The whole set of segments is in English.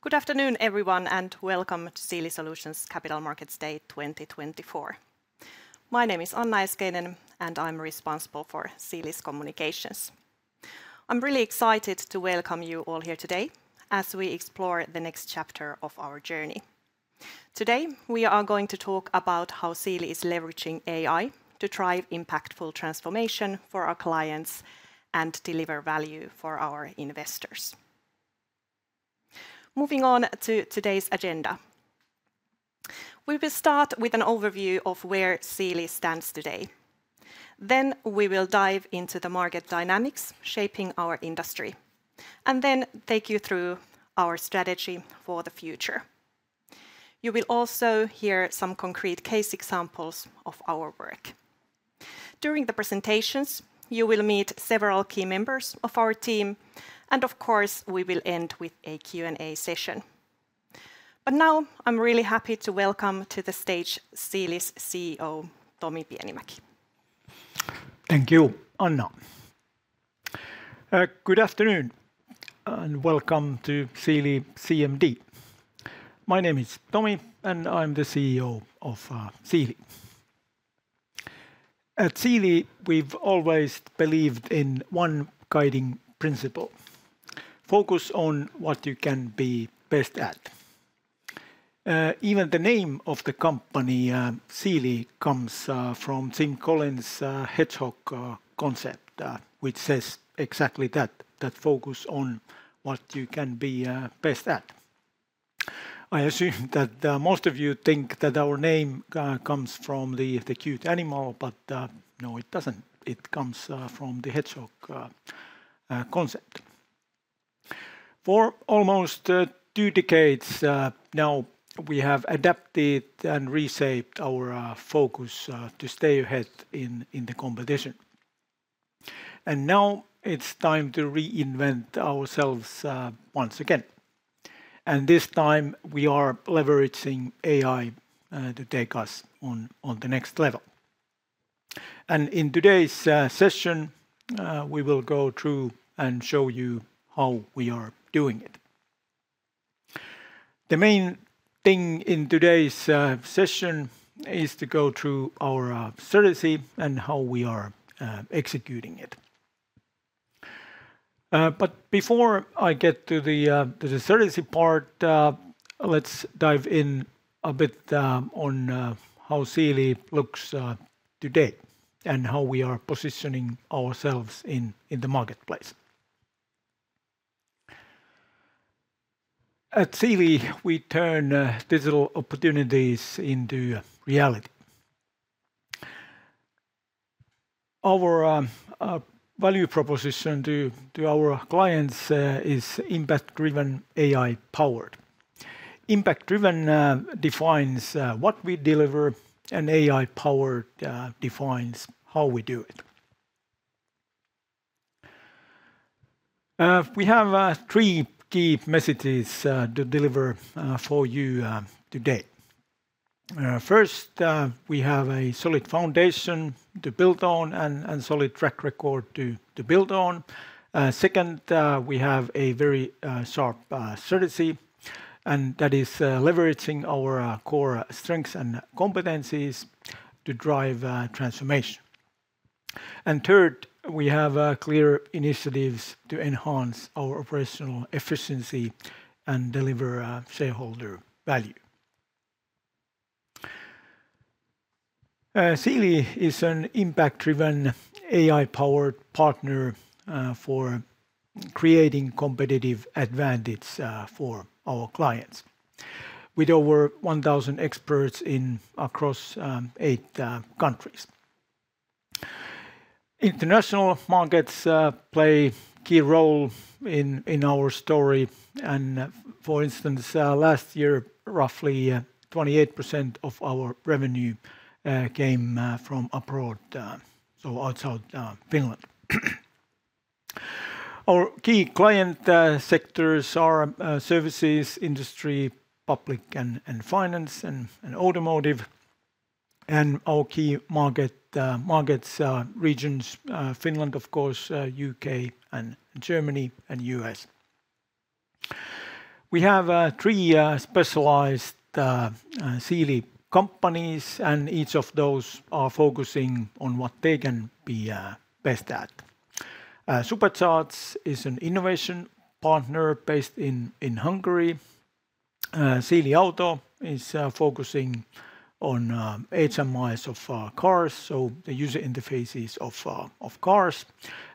Good afternoon, everyone, and welcome to Siili Solutions' Capital Markets Day 2024. My name is Anna Eskelinen, and I'm responsible for Siili's communications. I'm really excited to welcome you all here today as we explore the next chapter of our journey. Today, we are going to talk about how Siili is leveraging AI to drive impactful transformation for our clients and deliver value for our investors. Moving on to today's agenda, we will start with an overview of where Siili stands today. Then we will dive into the market dynamics shaping our industry, and then take you through our strategy for the future. You will also hear some concrete case examples of our work. During the presentations, you will meet several key members of our team, and of course, we will end with a Q&A session. But now I'm really happy to welcome to the stage Siili's CEO, Tomi Pienimäki. Thank you, Anna. Good afternoon and welcome to Siili CMD. My name is Tomi and I'm the CEO of Siili. At Siili, we've always believed in one guiding principle: focus on what you can be best at. Even the name of the company, Siili, comes from Jim Collins' Hedgehog Concept, which says exactly that: that focus on what you can be best at. I assume that most of you think that our name comes from the cute animal, but no, it doesn't. It comes from the Hedgehog Concept. For almost two decades now, we have adapted and reshaped our focus to stay ahead in the competition. And now it's time to reinvent ourselves once again. And this time, we are leveraging AI to take us on the next level. And in today's session, we will go through and show you how we are doing it. The main thing in today's session is to go through our strategy and how we are executing it. But before I get to the strategy part, let's dive in a bit on how Siili looks today and how we are positioning ourselves in the marketplace. At Siili, we turn digital opportunities into reality. Our value proposition to our clients is impact-driven, AI-powered. Impact-driven defines what we deliver, and AI-powered defines how we do it. We have three key messages to deliver for you today. First, we have a solid foundation to build on and a solid track record to build on. Second, we have a very sharp strategy, and that is leveraging our core strengths and competencies to drive transformation. And third, we have clear initiatives to enhance our operational efficiency and deliver shareholder value. Siili is an impact-driven, AI-powered partner for creating competitive advantage for our clients, with over 1,000 experts across eight countries. International markets play a key role in our story. For instance, last year, roughly 28% of our revenue came from abroad, so outside Finland. Our key client sectors are services industry, public and finance, and automotive. Our key market regions, Finland, of course, U.K., Germany, and U.S. We have three specialized Siili companies, and each of those is focusing on what they can be best at. Supercharge is an innovation partner based in Hungary. Siili Auto is focusing on HMIs of cars, so the user interfaces of cars.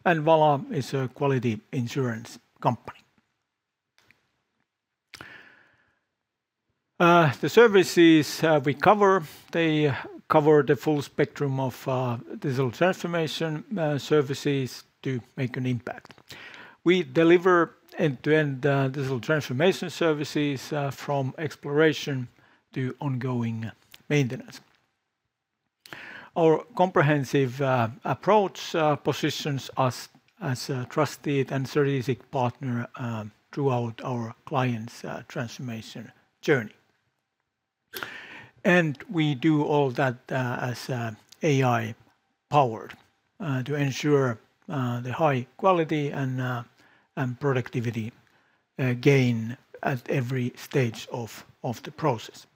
VALA is a quality assurance company. The services we cover, they cover the full spectrum of digital transformation services to make an impact. We deliver end-to-end digital transformation services from exploration to ongoing maintenance. Our comprehensive approach positions us as a trusted and strategic partner throughout our clients' transformation journey. We do all that as AI-powered to ensure the high quality and productivity gain at every stage of the process.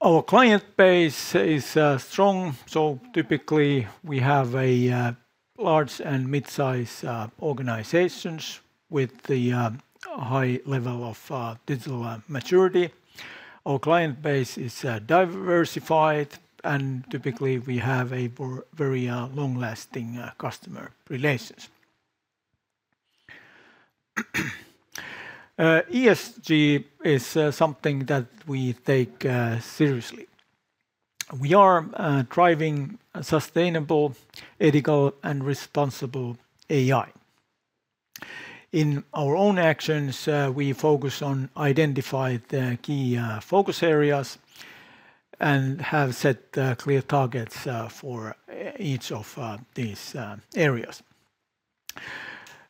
Our client base is strong, so typically we have large and mid-size organizations with a high level of digital maturity. Our client base is diversified, and typically we have very long-lasting customer relations. ESG is something that we take seriously. We are driving sustainable, ethical, and responsible AI. In our own actions, we focus on identifying the key focus areas and have set clear targets for each of these areas.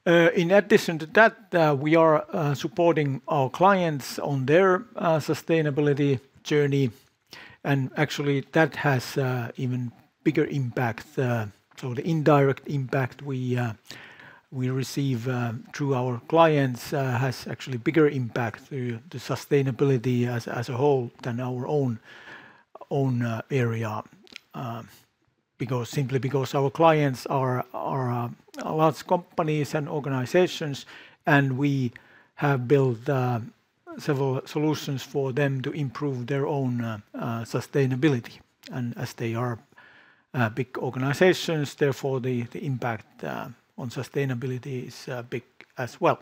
In addition to that, we are supporting our clients on their sustainability journey. Actually, that has even bigger impact. So the indirect impact we receive through our clients has actually a bigger impact on the sustainability as a whole than our own area. Simply because our clients are large companies and organizations, and we have built several solutions for them to improve their own sustainability. And as they are big organizations, therefore the impact on sustainability is big as well.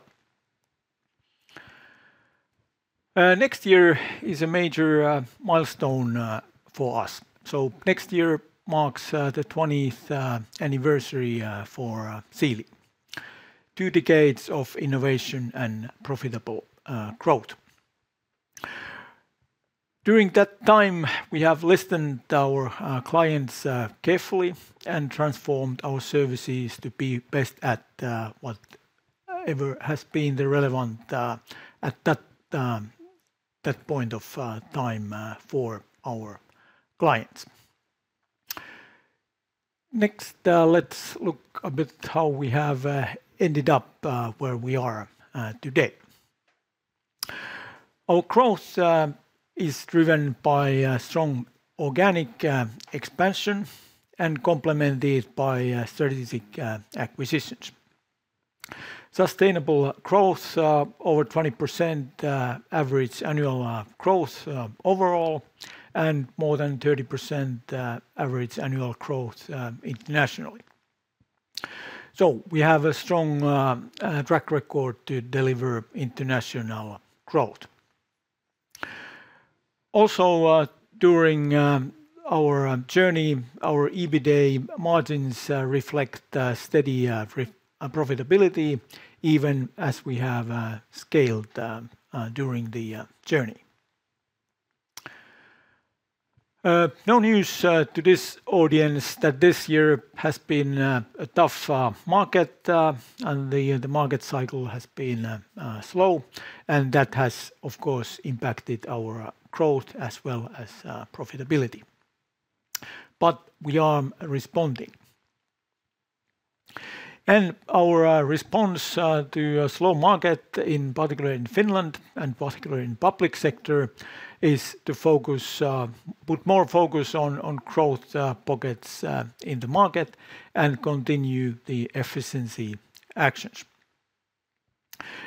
Next year is a major milestone for us. So next year marks the 20th anniversary for Siili. Two decades of innovation and profitable growth. During that time, we have listened to our clients carefully and transformed our services to be best at whatever has been relevant at that point of time for our clients. Next, let's look a bit at how we have ended up where we are today. Our growth is driven by strong organic expansion and complemented by strategic acquisitions. Sustainable growth over 20% average annual growth overall and more than 30% average annual growth internationally, so we have a strong track record to deliver international growth. Also, during our journey, our EBITDA margins reflect steady profitability, even as we have scaled during the journey. No news to this audience that this year has been a tough market, and the market cycle has been slow, and that has, of course, impacted our growth as well as profitability, but we are responding, and our response to a slow market, in particular in Finland and particularly in the public sector, is to put more focus on growth pockets in the market and continue the efficiency actions,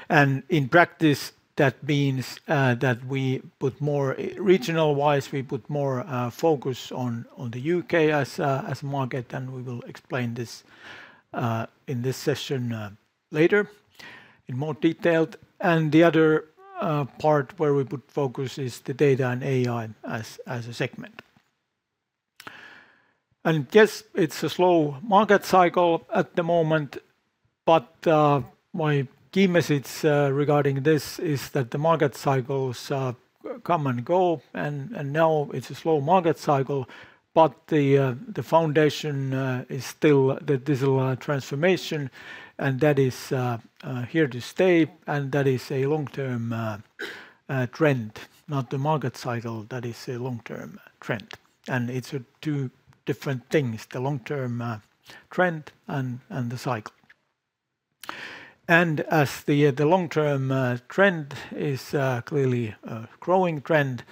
and in practice, that means that regional-wise, we put more focus on the U.K. as a market, and we will explain this in this session later in more detail. And the other part where we put focus is the data and AI as a segment. And yes, it's a slow market cycle at the moment, but my key message regarding this is that the market cycles come and go, and now it's a slow market cycle, but the foundation is still the digital transformation, and that is here to stay, and that is a long-term trend, not the market cycle that is a long-term trend. And it's two different things, the long-term trend and the cycle. And as the long-term trend is clearly a growing trend,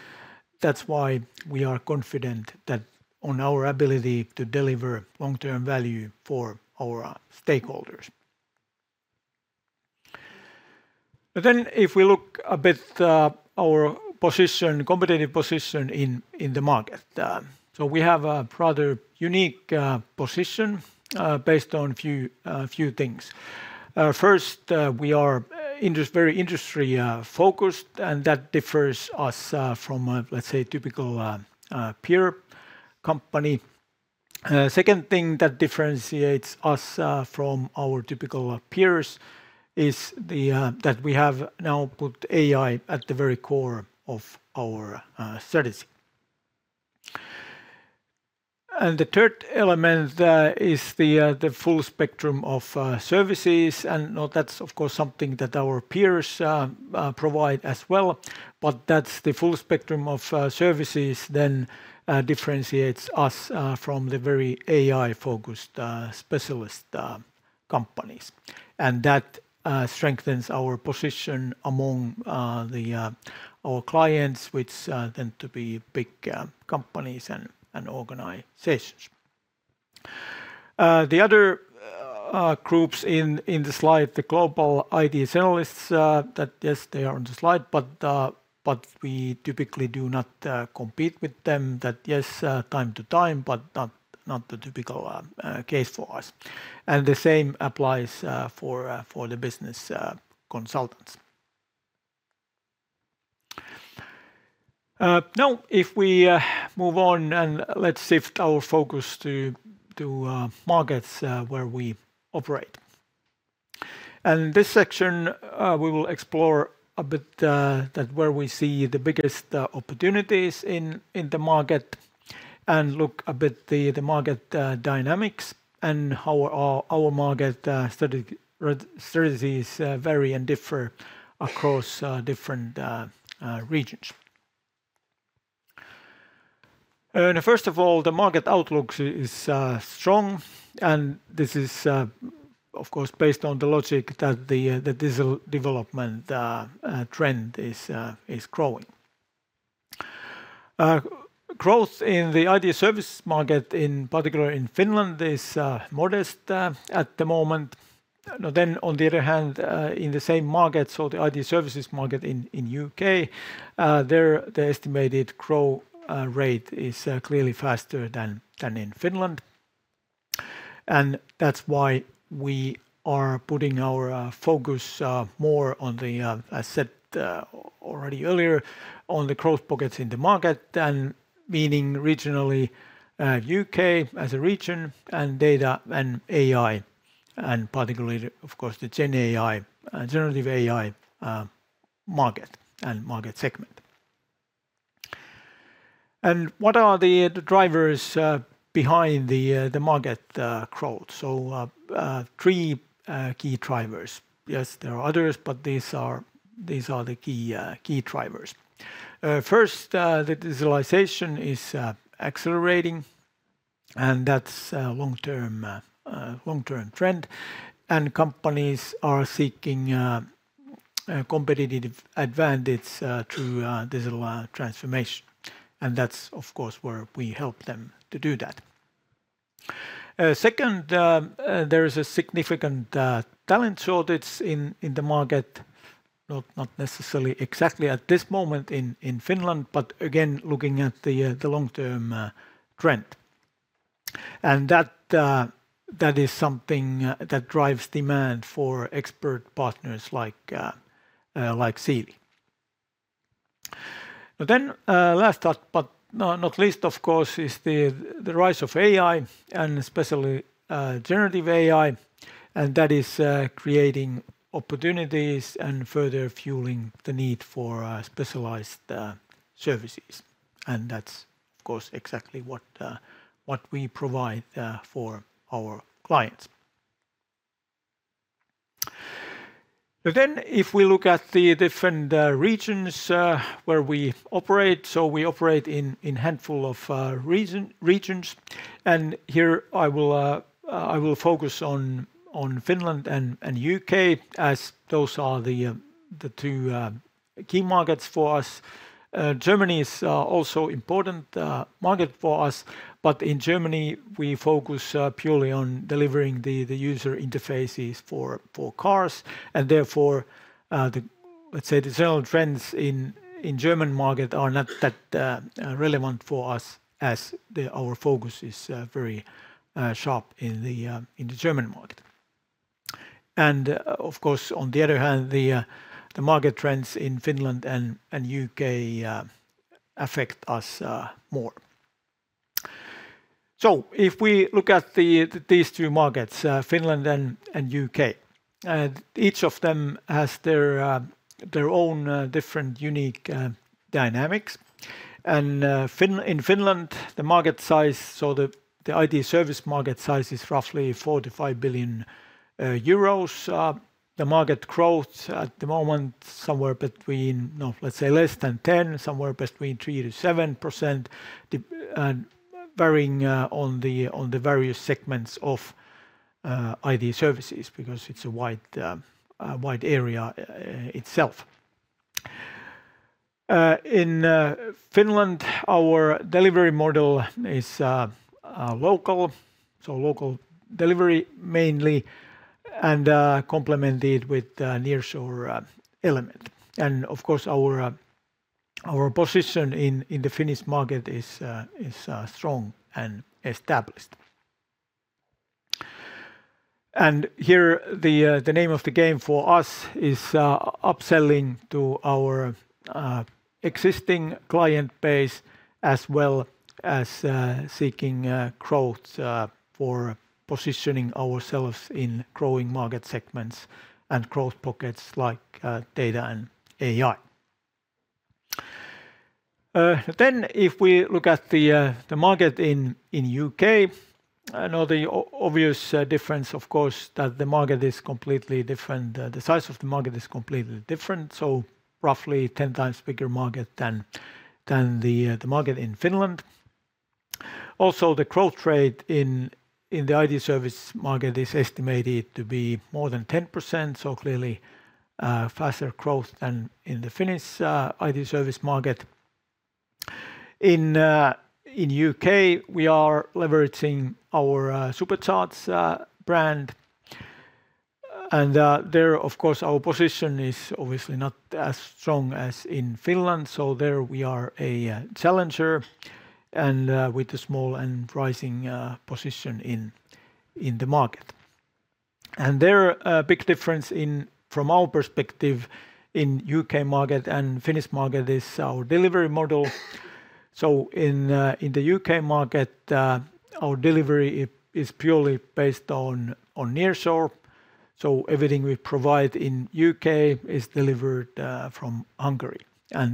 that's why we are confident that on our ability to deliver long-term value for our stakeholders. But then if we look a bit at our competitive position in the market, so we have a rather unique position based on a few things. First, we are very industry-focused, and that differs us from, let's say, a typical peer company. The second thing that differentiates us from our typical peers is that we have now put AI at the very core of our strategy. And the third element is the full spectrum of services, and that's, of course, something that our peers provide as well, but that's the full spectrum of services then differentiates us from the very AI-focused specialist companies. And that strengthens our position among our clients, which tend to be big companies and organizations. The other groups in the slide, the global IT generalists, that, yes, they are on the slide, but we typically do not compete with them. That, yes, from time to time, but not the typical case for us. And the same applies for the business consultants. Now, if we move on and let's shift our focus to markets where we operate. And in this section, we will explore a bit where we see the biggest opportunities in the market and look a bit at the market dynamics and how our market strategies vary and differ across different regions. First of all, the market outlook is strong, and this is, of course, based on the logic that the digital development trend is growing. Growth in the IT services market, in particular in Finland, is modest at the moment. Then, on the other hand, in the same market, so the IT services market in the U.K., the estimated growth rate is clearly faster than in Finland. And that's why we are putting our focus more on the, as said already earlier, on the growth pockets in the market, meaning regionally U.K. as a region and data and AI, and particularly, of course, the GenAI, generative AI market and market segment. And what are the drivers behind the market growth? So three key drivers. Yes, there are others, but these are the key drivers. First, the digitalization is accelerating, and that's a long-term trend. And companies are seeking competitive advantage through digital transformation. And that's, of course, where we help them to do that. Second, there is a significant talent shortage in the market, not necessarily exactly at this moment in Finland, but again, looking at the long-term trend. And that is something that drives demand for expert partners like Siili. Then, last but not least, of course, is the rise of AI and especially generative AI, and that is creating opportunities and further fueling the need for specialized services. And that's, of course, exactly what we provide for our clients. Then, if we look at the different regions where we operate, so we operate in a handful of regions. And here I will focus on Finland and U.K., as those are the two key markets for us. Germany is also an important market for us, but in Germany, we focus purely on delivering the user interfaces for cars. And therefore, let's say the general trends in the German market are not that relevant for us, as our focus is very sharp in the German market. And of course, on the other hand, the market trends in Finland and U.K. affect us more. So if we look at these two markets, Finland and U.K., each of them has their own different unique dynamics. And in Finland, the market size, so the IT service market size is roughly 45 billion euros. The market growth at the moment is somewhere between, let's say, less than 10%, somewhere between 3%-7%, varying on the various segments of IT services because it's a wide area itself. In Finland, our delivery model is local, so local delivery mainly, and complemented with a nearshore element. And of course, our position in the Finnish market is strong and established. And here, the name of the game for us is upselling to our existing client base as well as seeking growth for positioning ourselves in growing market segments and growth pockets like data and AI. Then, if we look at the market in the U.K., the obvious difference, of course, is that the market is completely different. The size of the market is completely different, so roughly a 10 times bigger market than the market in Finland. Also, the growth rate in the IT service market is estimated to be more than 10%, so clearly faster growth than in the Finnish IT service market. In the U.K., we are leveraging our Supercharge brand. And there, of course, our position is obviously not as strong as in Finland, so there we are a challenger with a small and rising position in the market. And there, a big difference from our perspective in the U.K. market and Finnish market is our delivery model. So in the U.K. market, our delivery is purely based on nearshore. So everything we provide in the U.K. is delivered from Hungary.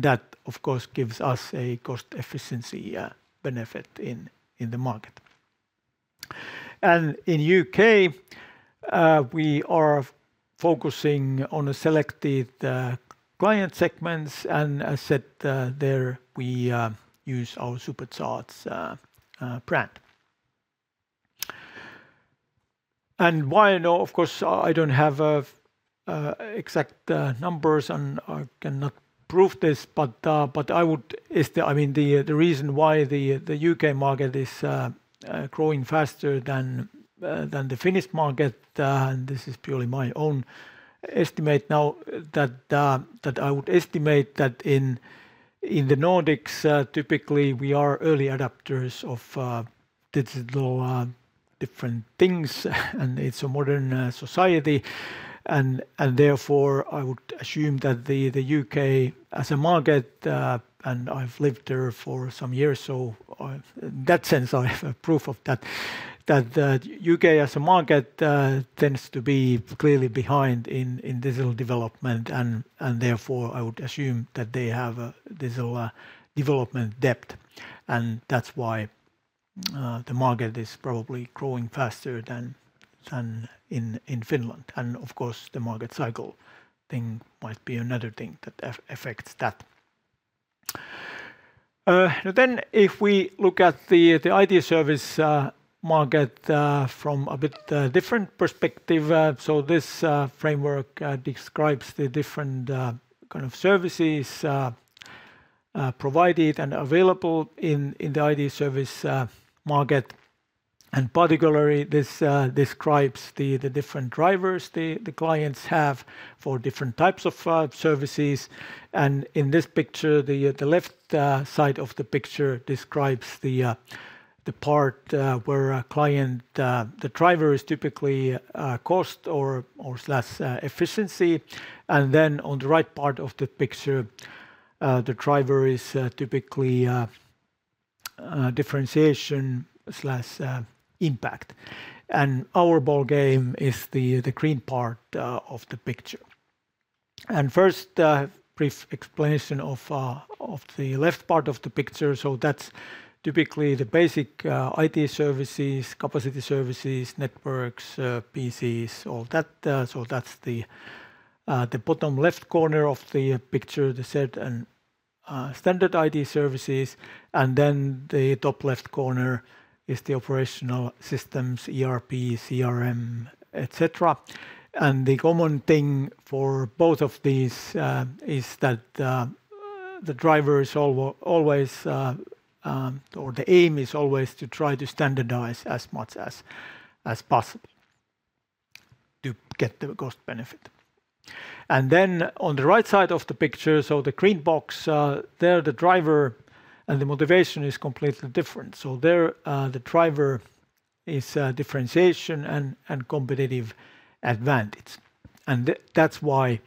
That, of course, gives us a cost-efficiency benefit in the market. In the U.K., we are focusing on selected client segments, and as said there, we use our Supercharge brand. Why, of course, I don't have exact numbers and I cannot prove this, but I would, I mean, the reason why the U.K. market is growing faster than the Finnish market, and this is purely my own estimate now, that I would estimate that in the Nordics, typically we are early adopters of digital different things, and it's a modern society. Therefore, I would assume that the U.K. as a market, and I've lived there for some years, so in that sense, I have proof of that, that the U.K. as a market tends to be clearly behind in digital development, and therefore I would assume that they have digital development depth. And that's why the market is probably growing faster than in Finland. And of course, the market cycle thing might be another thing that affects that. Then, if we look at the IT service market from a bit different perspective, so this framework describes the different kind of services provided and available in the IT service market. And particularly, this describes the different drivers the clients have for different types of services. And in this picture, the left side of the picture describes the part where a client, the driver, is typically cost or slash efficiency. And then on the right part of the picture, the driver is typically differentiation slash impact. And our ball game is the green part of the picture. And first, a brief explanation of the left part of the picture. So that's typically the basic IT services, capacity services, networks, PCs, all that. So that's the bottom left corner of the picture, the set and standard IT services. And then the top left corner is the operational systems, ERP, CRM, etc. And the common thing for both of these is that the driver is always, or the aim is always, to try to standardize as much as possible to get the cost benefit. And then on the right side of the picture, so the green box, there the driver and the motivation is completely different. So there the driver is differentiation and competitive advantage. And that's why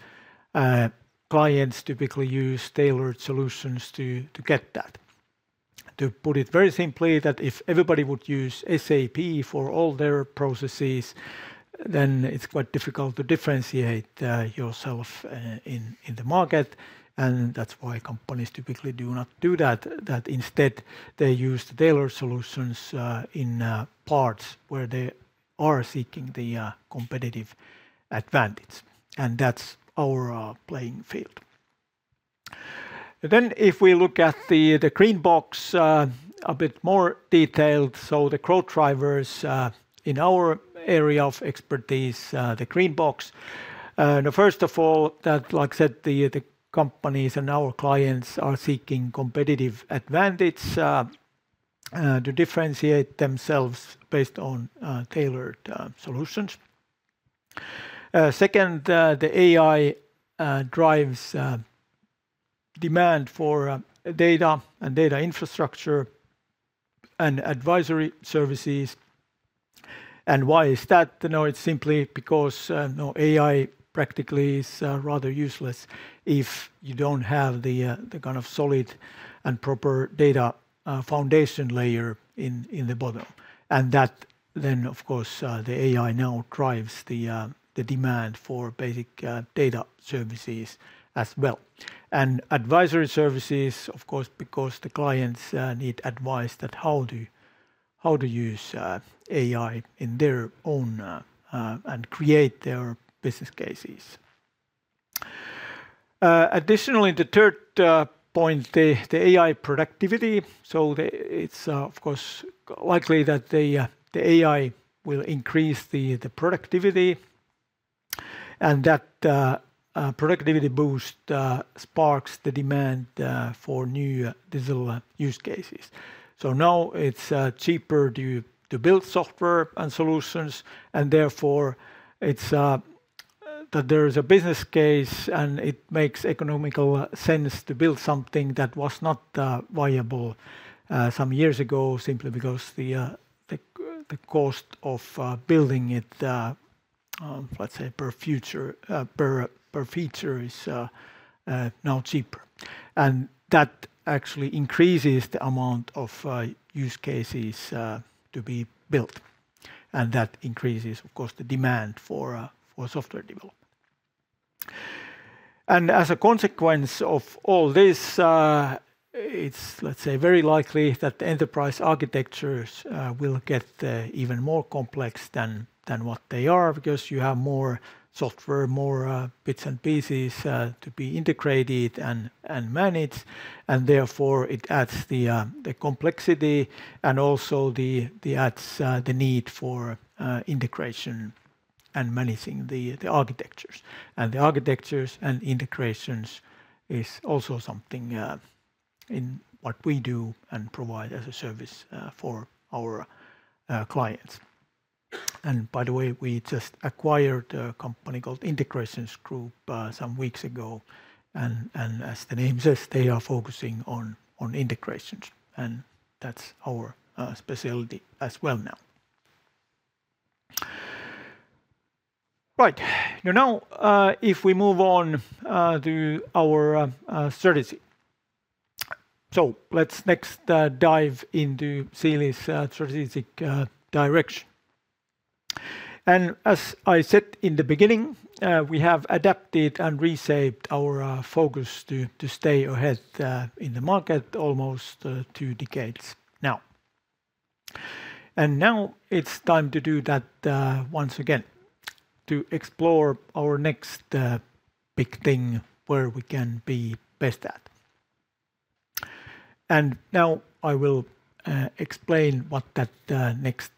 clients typically use tailored solutions to get that. To put it very simply, that if everybody would use SAP for all their processes, then it's quite difficult to differentiate yourself in the market. That's why companies typically do not do that. Instead, they use the tailored solutions in parts where they are seeking the competitive advantage. That's our playing field. If we look at the green box a bit more detailed, the growth drivers in our area of expertise, the green box, first of all, like I said, the companies and our clients are seeking competitive advantage to differentiate themselves based on tailored solutions. Second, the AI drives demand for data and data infrastructure and advisory services. Why is that? It's simply because AI practically is rather useless if you don't have the kind of solid and proper data foundation layer in the bottom. That then, of course, the AI now drives the demand for basic data services as well. Advisory services, of course, because the clients need advice that how to use AI in their own and create their business cases. Additionally, the third point, the AI productivity. It's of course likely that the AI will increase the productivity. That productivity boost sparks the demand for new digital use cases. Now it's cheaper to build software and solutions. Therefore, that there is a business case and it makes economical sense to build something that was not viable some years ago simply because the cost of building it, let's say per feature, is now cheaper. That actually increases the amount of use cases to be built. That increases, of course, the demand for software development. As a consequence of all this, it's, let's say, very likely that the enterprise architectures will get even more complex than what they are because you have more software, more bits and pieces to be integrated and managed. Therefore, it adds the complexity and also adds the need for integration and managing the architectures. The architectures and integrations is also something in what we do and provide as a service for our clients. By the way, we just acquired a company called Integrations Group some weeks ago. As the name says, they are focusing on integrations. That's our specialty as well now. Right. Now, if we move on to our strategy. Let's next dive into Siili's strategic direction. As I said in the beginning, we have adapted and reshaped our focus to stay ahead in the market almost two decades now. And now it's time to do that once again, to explore our next big thing where we can be best at. And now I will explain what that next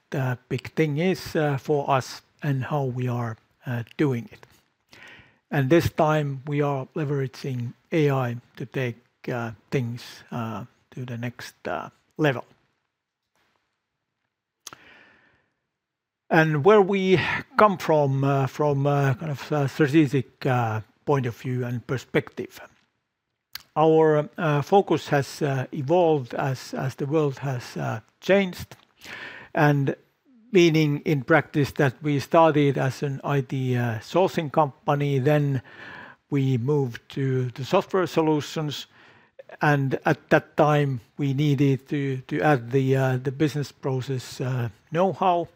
big thing is for us and how we are doing it. And this time, we are leveraging AI to take things to the next level. And where we come from, from a kind of strategic point of view and perspective, our focus has evolved as the world has changed. And meaning in practice that we started as an IT sourcing company, then we moved to software solutions. And at that time, we needed to add the business process know-how.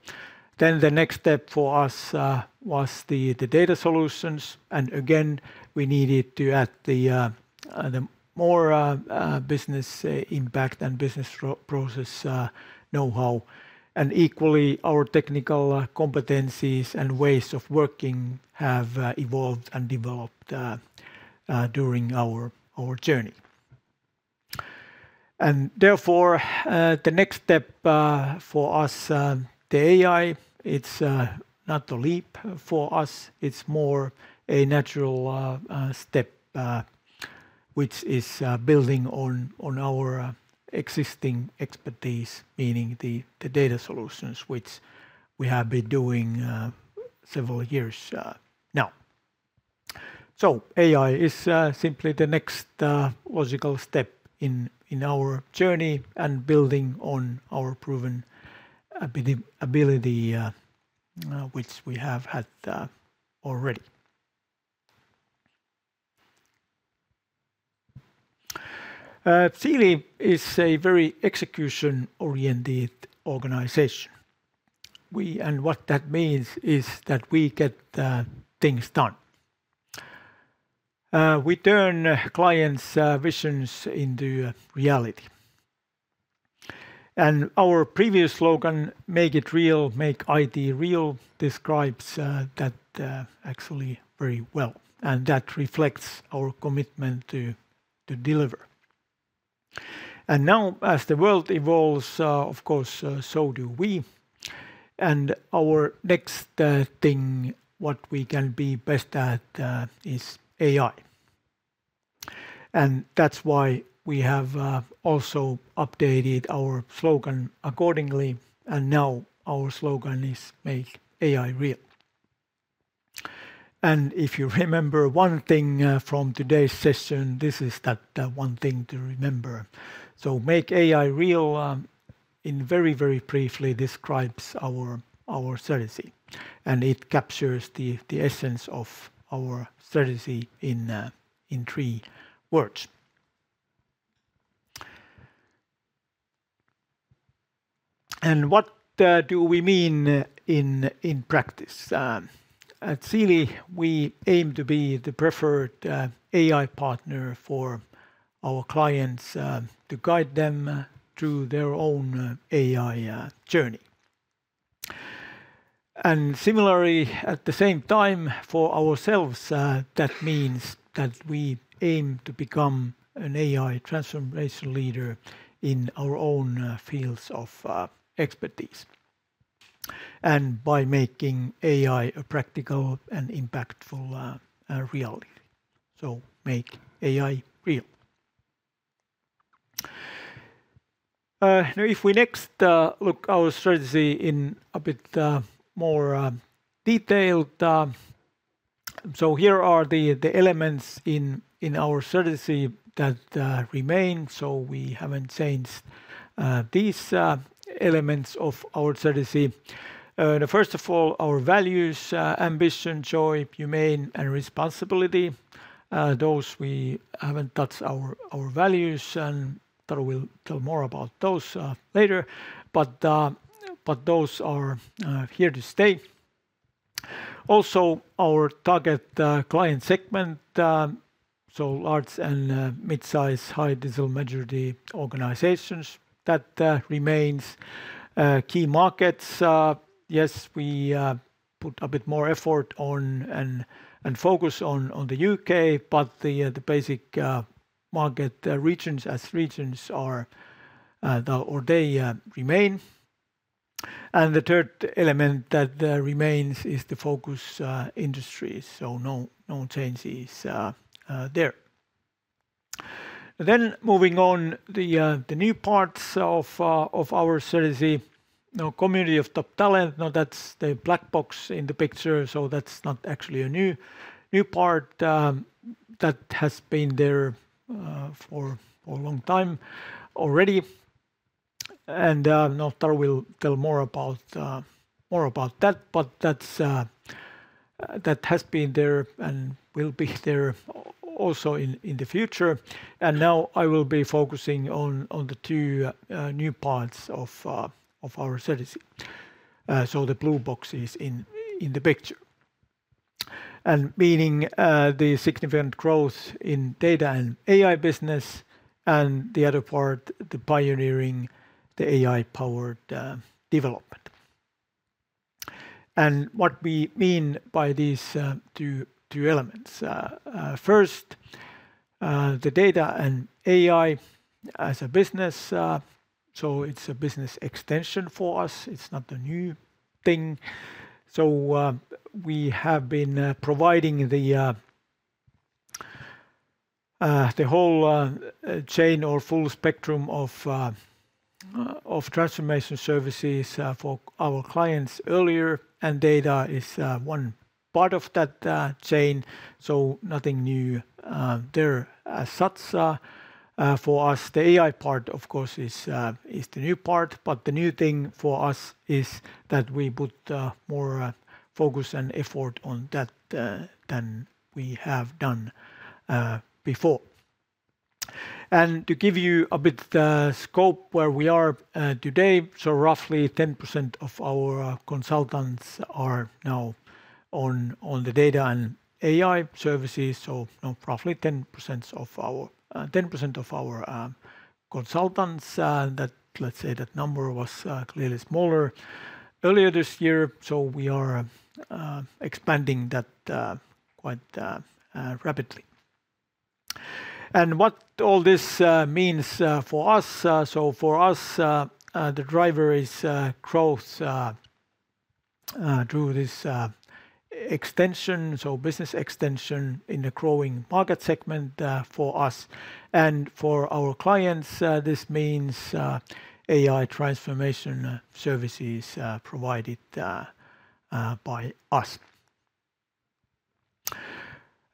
Then the next step for us was the data solutions. And again, we needed to add the more business impact and business process know-how. And equally, our technical competencies and ways of working have evolved and developed during our journey. And therefore, the next step for us, the AI. It's not a leap for us. It's more a natural step, which is building on our existing expertise, meaning the data solutions, which we have been doing several years now. So AI is simply the next logical step in our journey and building on our proven ability, which we have had already. Siili is a very execution-oriented organization. And what that means is that we get things done. We turn clients' visions into reality. And our previous slogan, "Make it real, make IT real," describes that actually very well. And that reflects our commitment to deliver. And now, as the world evolves, of course, so do we. And our next thing, what we can be best at, is AI. And that's why we have also updated our slogan accordingly. And now our slogan is "Make AI real." And if you remember one thing from today's session, this is that one thing to remember. So "Make AI real" in very, very briefly describes our strategy. And it captures the essence of our strategy in three words. And what do we mean in practice? At Siili, we aim to be the preferred AI partner for our clients to guide them through their own AI journey. And similarly, at the same time, for ourselves, that means that we aim to become an AI transformation leader in our own fields of expertise. And by making AI a practical and impactful reality. So "Make AI real." Now, if we next look at our strategy in a bit more detailed, so here are the elements in our strategy that remain. So we haven't changed these elements of our strategy. First of all, our values: ambition, joy, humane, and responsibility. Those we haven't touched: our values, and we'll tell more about those later, but those are here to stay. Also, our target client segment, so large and midsize, high digital maturity organizations, that remains key markets. Yes, we put a bit more effort on and focus on the U.K., but the basic market regions as regions are or they remain, and the third element that remains is the focus industries, so no changes there. Then moving on, the new parts of our strategy, community of top talent. Now, that's the black box in the picture, so that's not actually a new part. That has been there for a long time already, and I'll tell more about that, but that has been there and will be there also in the future. And now I will be focusing on the two new parts of our strategy. So the blue box is in the picture. And, meaning the significant growth in data and AI business. And the other part, the pioneering, the AI-powered development. And what we mean by these two elements. First, the data and AI as a business. So it's a business extension for us. It's not a new thing. So we have been providing the whole chain or full spectrum of transformation services for our clients earlier. And data is one part of that chain. So nothing new there as such. For us, the AI part, of course, is the new part. But the new thing for us is that we put more focus and effort on that than we have done before. And to give you a bit of scope where we are today, so roughly 10% of our consultants are now on the data and AI services. So roughly 10% of our consultants, let's say that number was clearly smaller earlier this year. So we are expanding that quite rapidly. And what all this means for us. So for us, the driver is growth through this extension, so business extension in the growing market segment for us. And for our clients, this means AI transformation services provided by us.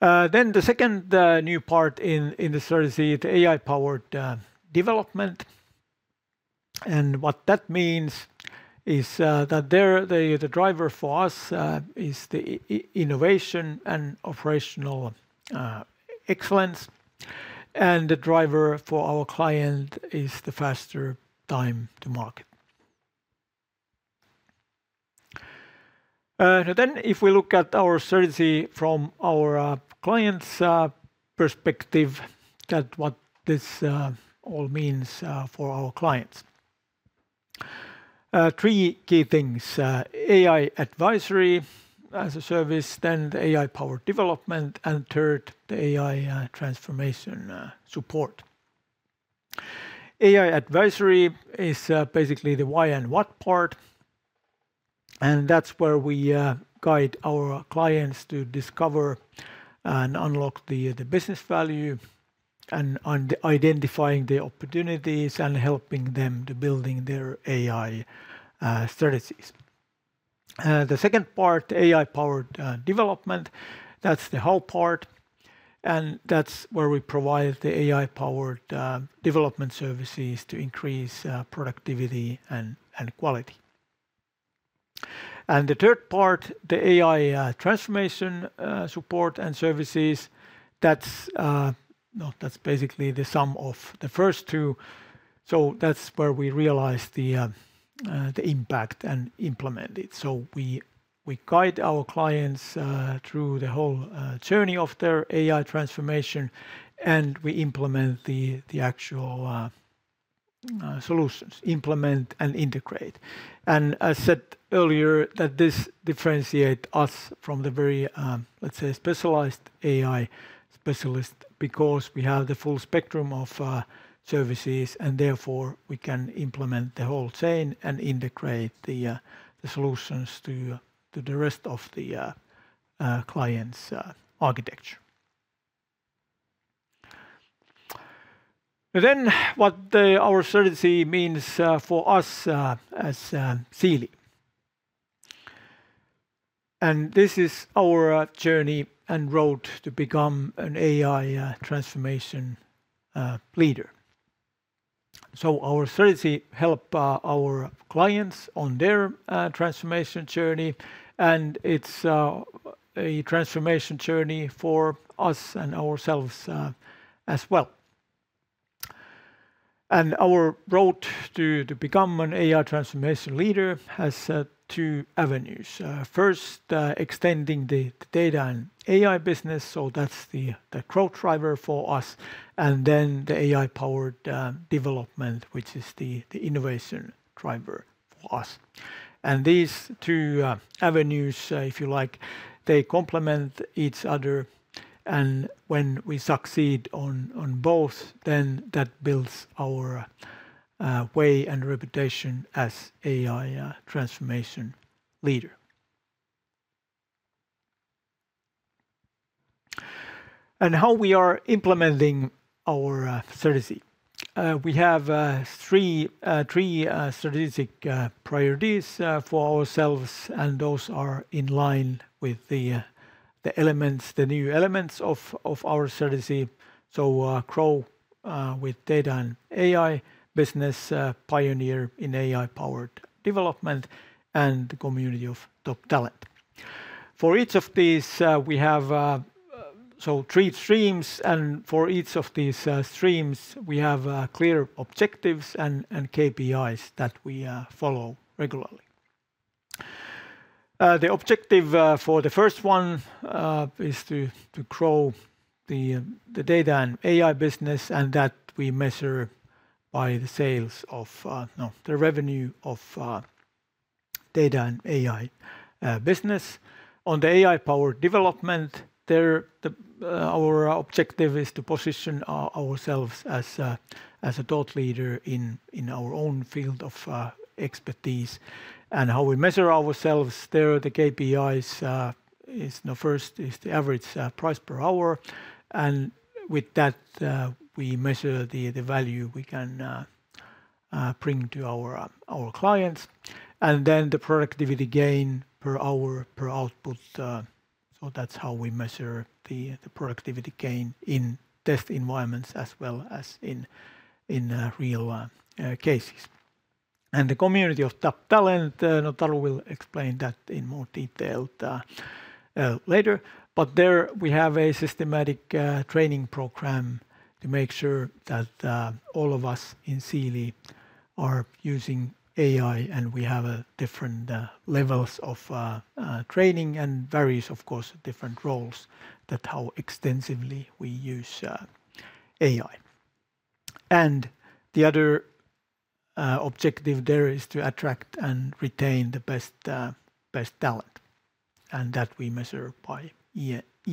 Then the second new part in the strategy, the AI-powered development. And what that means is that the driver for us is the innovation and operational excellence. And the driver for our client is the faster time to market. Then if we look at our strategy from our clients' perspective, what this all means for our clients. Three key things. AI advisory as a service, then the AI-powered development, and third, the AI transformation support. AI advisory is basically the why and what part. And that's where we guide our clients to discover and unlock the business value. And identifying the opportunities and helping them to build their AI strategies. The second part, AI-powered development, that's the how part. And that's where we provide the AI-powered development services to increase productivity and quality. And the third part, the AI transformation support and services, that's basically the sum of the first two. So that's where we realize the impact and implement it. So we guide our clients through the whole journey of their AI transformation. And we implement the actual solutions, implement and integrate. And as said earlier, this differentiates us from the very, let's say, specialized AI specialists because we have the full spectrum of services. And therefore, we can implement the whole chain and integrate the solutions to the rest of the client's architecture. Then what our strategy means for us as Siili. And this is our journey and road to become an AI transformation leader. So our strategy helps our clients on their transformation journey. And it's a transformation journey for us and ourselves as well. And our road to become an AI transformation leader has two avenues. First, extending the data and AI business. So that's the growth driver for us. And then the AI-powered development, which is the innovation driver for us. And these two avenues, if you like, they complement each other. And when we succeed on both, then that builds our way and reputation as AI transformation leader. And how we are implementing our strategy. We have three strategic priorities for ourselves. And those are in line with the new elements of our strategy. So grow with data and AI business, pioneer in AI-powered development, and the community of top talent. For each of these, we have three streams. And for each of these streams, we have clear objectives and KPIs that we follow regularly. The objective for the first one is to grow the data and AI business. And that we measure by the sales of the revenue of data and AI business. On the AI-powered development, our objective is to position ourselves as a thought leader in our own field of expertise. And how we measure ourselves, there are the KPIs. First is the average price per hour. And with that, we measure the value we can bring to our clients. And then the productivity gain per hour, per output. So that's how we measure the productivity gain in test environments as well as in real cases. And the community of top talent, I will explain that in more detail later. But there we have a systematic training program to make sure that all of us in Siili are using AI. And we have different levels of training and various, of course, different roles that how extensively we use AI. And the other objective there is to attract and retain the best talent. And that we measure by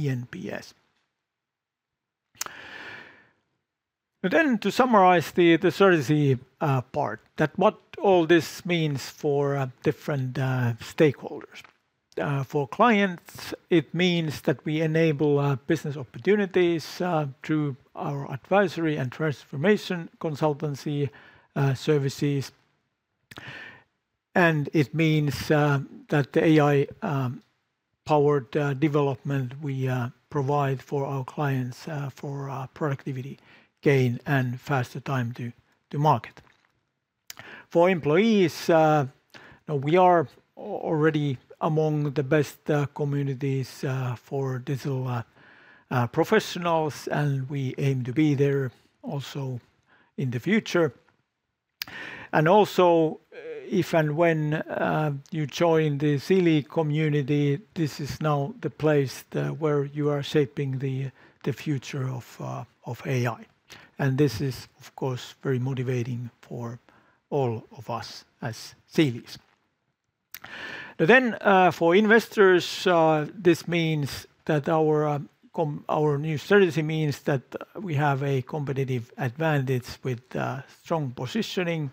ENPS. Then to summarize the strategy part, that what all this means for different stakeholders. For clients, it means that we enable business opportunities through our advisory and transformation consultancy services. And it means that the AI-powered development we provide for our clients for productivity gain and faster time to market. For employees, we are already among the best communities for digital professionals. And we aim to be there also in the future. And also, if and when you join the Siili community, this is now the place where you are shaping the future of AI. And this is, of course, very motivating for all of us as Siilis. Then for investors, this means that our new strategy means that we have a competitive advantage with strong positioning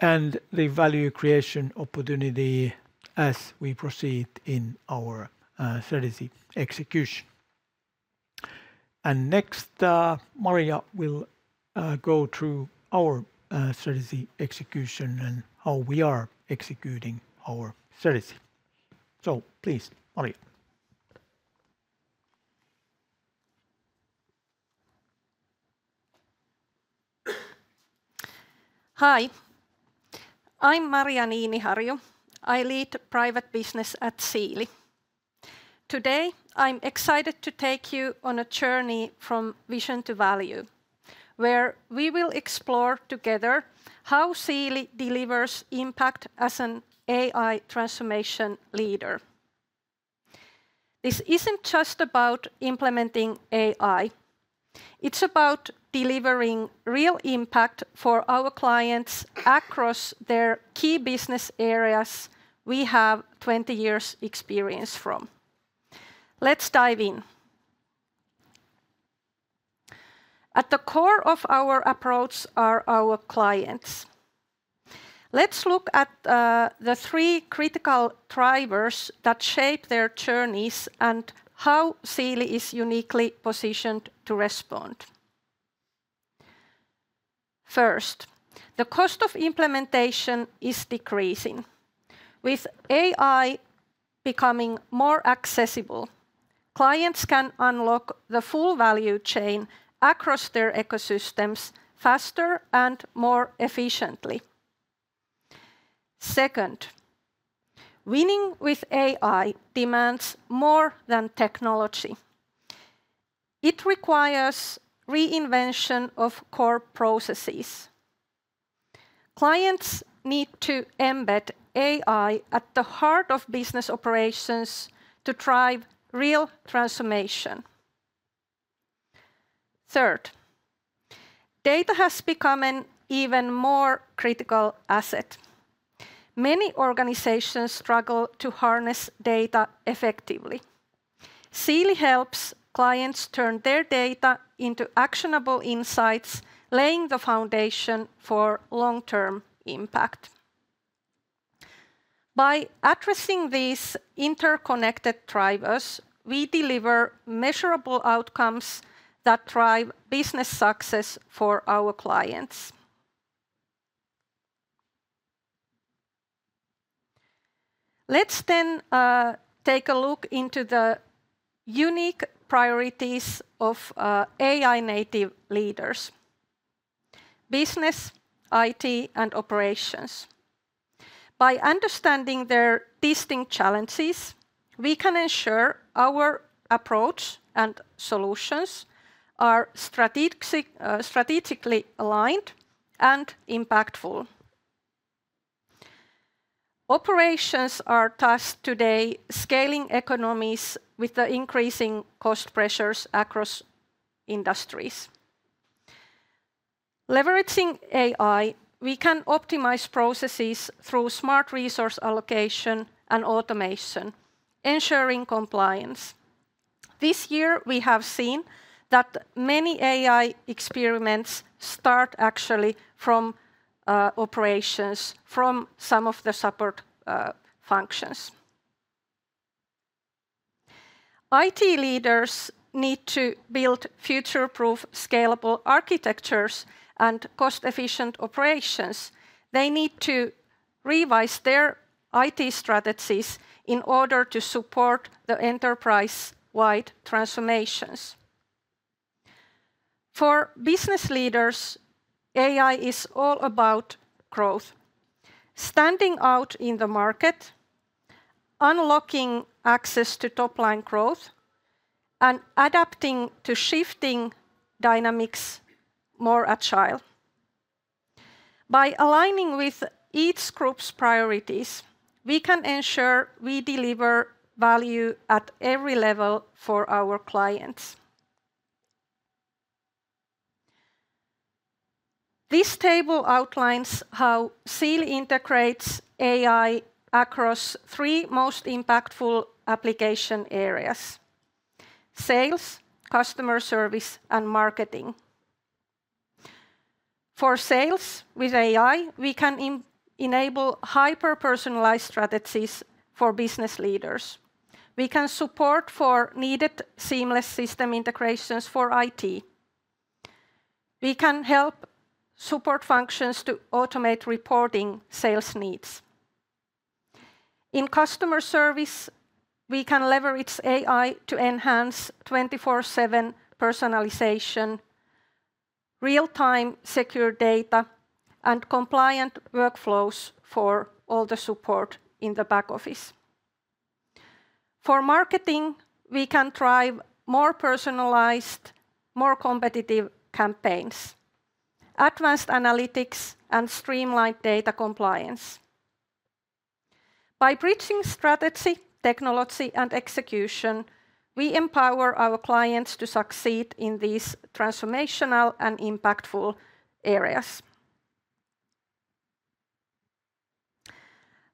and the value creation opportunity as we proceed in our strategy execution. And next, Maria will go through our strategy execution and how we are executing our strategy. So please, Maria. Hi. I'm Maria Niiniharju. I lead private business at Siili. Today, I'm excited to take you on a journey from vision to value, where we will explore together how Siili delivers impact as an AI transformation leader. This isn't just about implementing AI. It's about delivering real impact for our clients across their key business areas we have 20 years' experience from. Let's dive in. At the core of our approach are our clients. Let's look at the three critical drivers that shape their journeys and how Siili is uniquely positioned to respond. First, the cost of implementation is decreasing. With AI becoming more accessible, clients can unlock the full value chain across their ecosystems faster and more efficiently. Second, winning with AI demands more than technology. It requires reinvention of core processes. Clients need to embed AI at the heart of business operations to drive real transformation. Third, data has become an even more critical asset. Many organizations struggle to harness data effectively. Siili helps clients turn their data into actionable insights, laying the foundation for long-term impact. By addressing these interconnected drivers, we deliver measurable outcomes that drive business success for our clients. Let's then take a look into the unique priorities of AI-native leaders: business, IT, and operations. By understanding their distinct challenges, we can ensure our approach and solutions are strategically aligned and impactful. Operations are tasked today scaling economies with the increasing cost pressures across industries. Leveraging AI, we can optimize processes through smart resource allocation and automation, ensuring compliance. This year, we have seen that many AI experiments start actually from operations, from some of the support functions. IT leaders need to build future-proof, scalable architectures and cost-efficient operations. They need to revise their IT strategies in order to support the enterprise-wide transformations. For business leaders, AI is all about growth, standing out in the market, unlocking access to top-line growth, and adapting to shifting dynamics more agile. By aligning with each group's priorities, we can ensure we deliver value at every level for our clients. This table outlines how Siili integrates AI across three most impactful application areas: sales, customer service, and marketing. For sales, with AI, we can enable hyper-personalized strategies for business leaders. We can support for needed seamless system integrations for IT. We can help support functions to automate reporting sales needs. In customer service, we can leverage AI to enhance 24/7 personalization, real-time secure data, and compliant workflows for all the support in the back office. For marketing, we can drive more personalized, more competitive campaigns, advanced analytics, and streamlined data compliance. By bridging strategy, technology, and execution, we empower our clients to succeed in these transformational and impactful areas.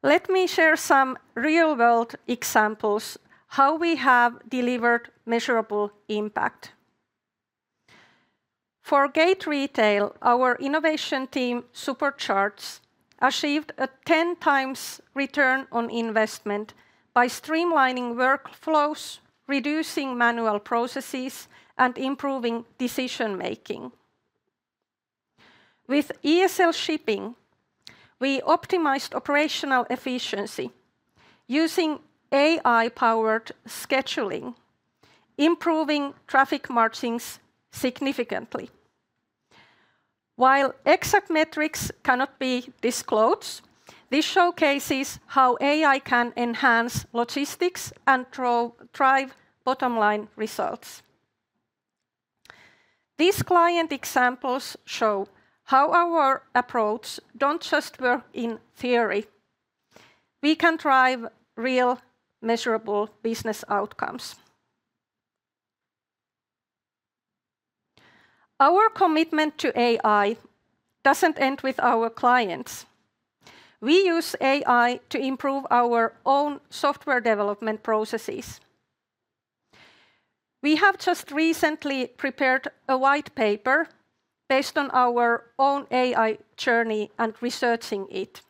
Let me share some real-world examples of how we have delivered measurable impact. For Gateretail, our innovation team, Supercharge, achieved a 10x return on investment by streamlining workflows, reducing manual processes, and improving decision-making. With ESL Shipping, we optimized operational efficiency using AI-powered scheduling, improving profit margins significantly. While exact metrics cannot be disclosed, this showcases how AI can enhance logistics and drive bottom-line results. These client examples show how our approach doesn't just work in theory. We can drive real measurable business outcomes. Our commitment to AI doesn't end with our clients. We use AI to improve our own software development processes. We have just recently prepared a white paper based on our own AI journey and researching it.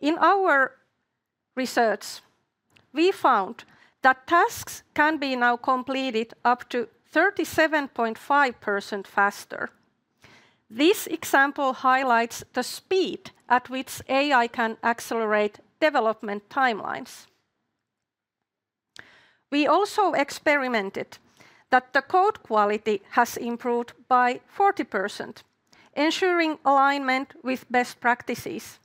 In our research, we found that tasks can be now completed up to 37.5% faster. This example highlights the speed at which AI can accelerate development timelines. We also experimented that the code quality has improved by 40%, ensuring alignment with best practices.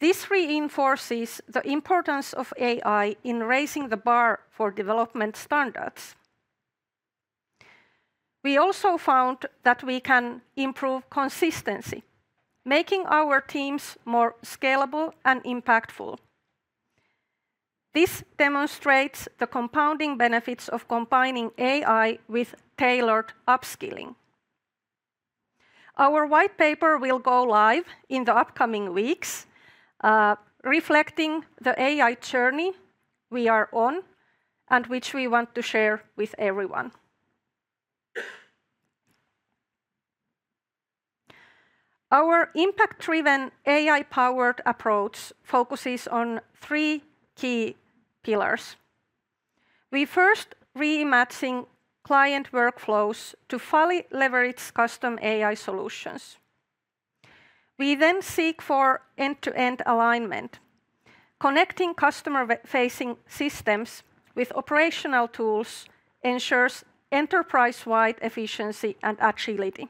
This reinforces the importance of AI in raising the bar for development standards. We also found that we can improve consistency, making our teams more scalable and impactful. This demonstrates the compounding benefits of combining AI with tailored upskilling. Our white paper will go live in the upcoming weeks, reflecting the AI journey we are on and which we want to share with everyone. Our impact-driven, AI-powered approach focuses on three key pillars. We first reimagine client workflows to fully leverage custom AI solutions. We then seek for end-to-end alignment. Connecting customer-facing systems with operational tools ensures enterprise-wide efficiency and agility.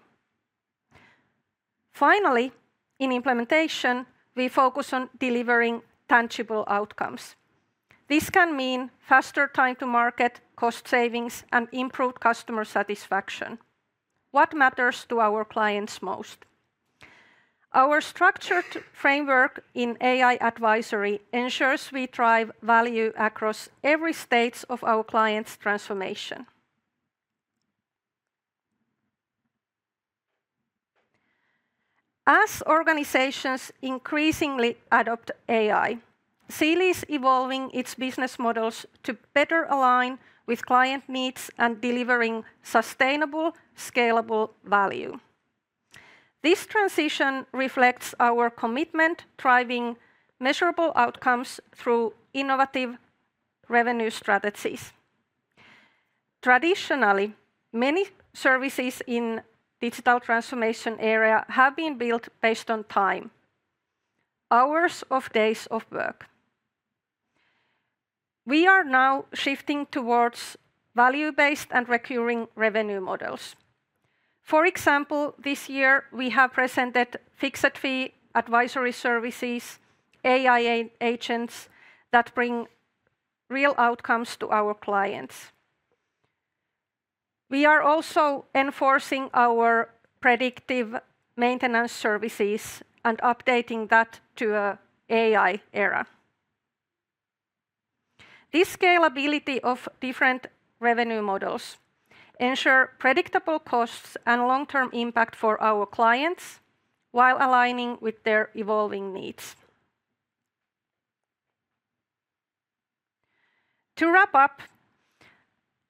Finally, in implementation, we focus on delivering tangible outcomes. This can mean faster time to market, cost savings, and improved customer satisfaction, what matters to our clients most. Our structured framework in AI advisory ensures we drive value across every stage of our clients' transformation. As organizations increasingly adopt AI, Siili is evolving its business models to better align with client needs and delivering sustainable, scalable value. This transition reflects our commitment to driving measurable outcomes through innovative revenue strategies. Traditionally, many services in the digital transformation area have been built based on time, hours or days of work. We are now shifting towards value-based and recurring revenue models. For example, this year, we have presented fixed-fee advisory services, AI agents that bring real outcomes to our clients. We are also enforcing our predictive maintenance services and updating that to an AI era. This scalability of different revenue models ensures predictable costs and long-term impact for our clients while aligning with their evolving needs. To wrap up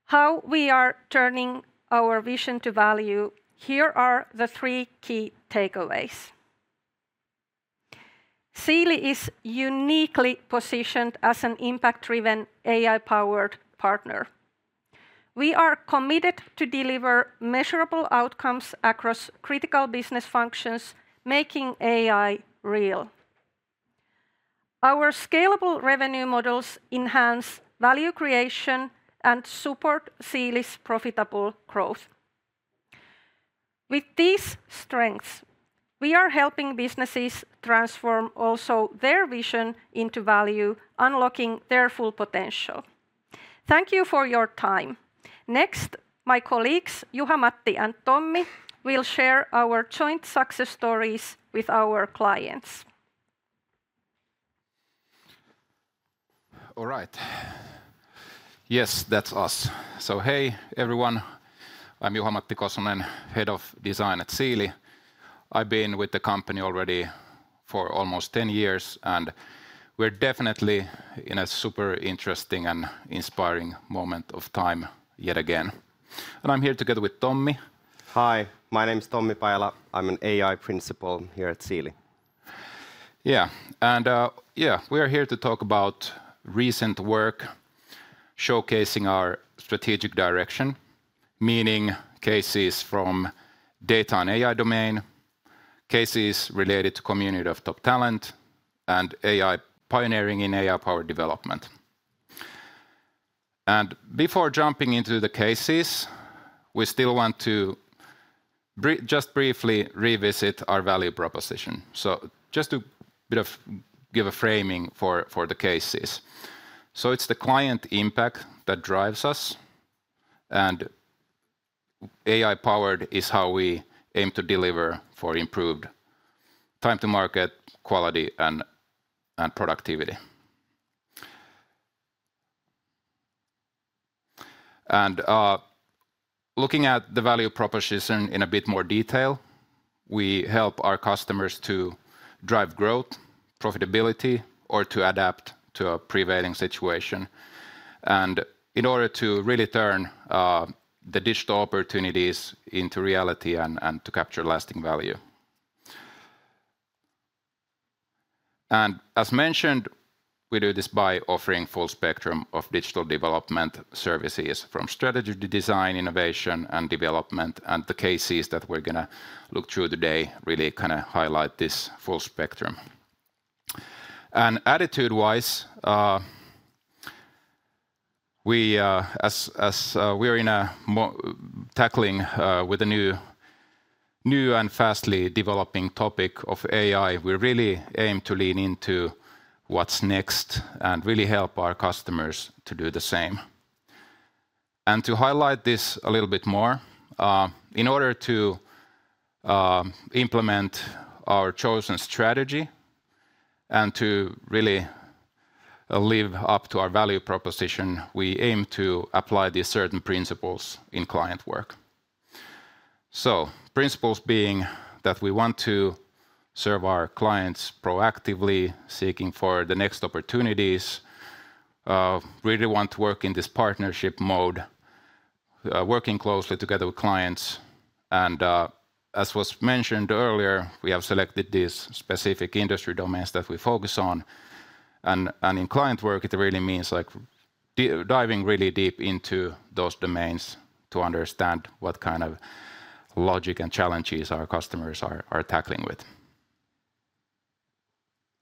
how we are turning our vision to value, here are the three key takeaways. Siili is uniquely positioned as an impact-driven, AI-powered partner. We are committed to delivering measurable outcomes across critical business functions, making AI real. Our scalable revenue models enhance value creation and support Siili's profitable growth. With these strengths, we are helping businesses transform also their vision into value, unlocking their full potential. Thank you for your time. Next, my colleagues, Juha-Matti and Tommi, will share our joint success stories with our clients. All right. Yes, that's us, so hey, everyone. I'm Juha-Matti Kosonen, Head of Design at Siili. I've been with the company already for almost 10 years, and we're definitely in a super interesting and inspiring moment of time yet again, and I'm here together with Tommi. Hi, my name is Tommi Pajala. I'm an AI Principal here at Siili. Yeah, and yeah, we are here to talk about recent work showcasing our strategic direction, meaning cases from data and AI domain, cases related to the community of top talent, and AI pioneering in AI-powered development. And before jumping into the cases, we still want to just briefly revisit our value proposition. So just to give a framing for the cases. So it's the client impact that drives us, and AI-powered is how we aim to deliver for improved time-to-market quality and productivity. And looking at the value proposition in a bit more detail, we help our customers to drive growth, profitability, or to adapt to a prevailing situation in order to really turn the digital opportunities into reality and to capture lasting value. And as mentioned, we do this by offering a full spectrum of digital development services from strategy to design, innovation, and development. The cases that we're going to look through today really kind of highlight this full spectrum. Attitude-wise, as we're tackling a new and fastly developing topic of AI, we really aim to lean into what's next and really help our customers to do the same. To highlight this a little bit more, in order to implement our chosen strategy and to really live up to our value proposition, we aim to apply these certain principles in client work. Principles being that we want to serve our clients proactively, seeking for the next opportunities, really want to work in this partnership mode, working closely together with clients. As was mentioned earlier, we have selected these specific industry domains that we focus on. And in client work, it really means diving really deep into those domains to understand what kind of logic and challenges our customers are tackling with.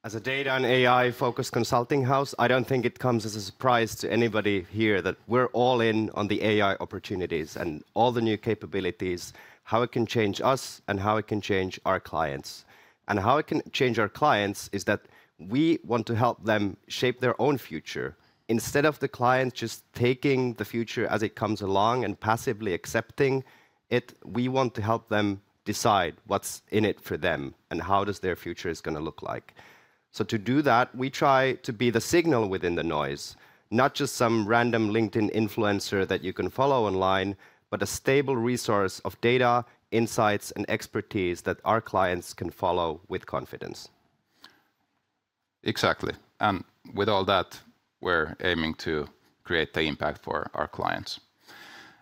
As a data and AI-focused consulting house, I don't think it comes as a surprise to anybody here that we're all in on the AI opportunities and all the new capabilities, how it can change us and how it can change our clients. And how it can change our clients is that we want to help them shape their own future. Instead of the client just taking the future as it comes along and passively accepting it, we want to help them decide what's in it for them and how their future is going to look like. So to do that, we try to be the signal within the noise, not just some random LinkedIn influencer that you can follow online, but a stable resource of data, insights, and expertise that our clients can follow with confidence. Exactly. And with all that, we're aiming to create the impact for our clients.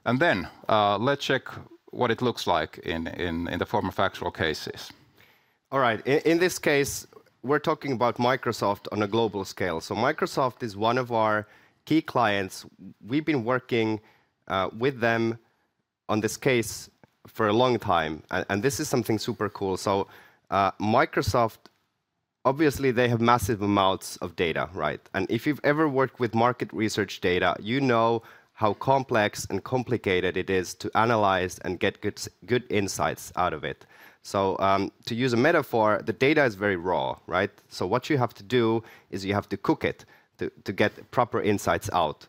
And then let's check what it looks like in the form of actual cases. All right. In this case, we're talking about Microsoft on a global scale. So Microsoft is one of our key clients. We've been working with them on this case for a long time, and this is something super cool. So Microsoft, obviously, they have massive amounts of data, right? And if you've ever worked with market research data, you know how complex and complicated it is to analyze and get good insights out of it. To use a metaphor, the data is very raw, right? What you have to do is you have to cook it to get proper insights out.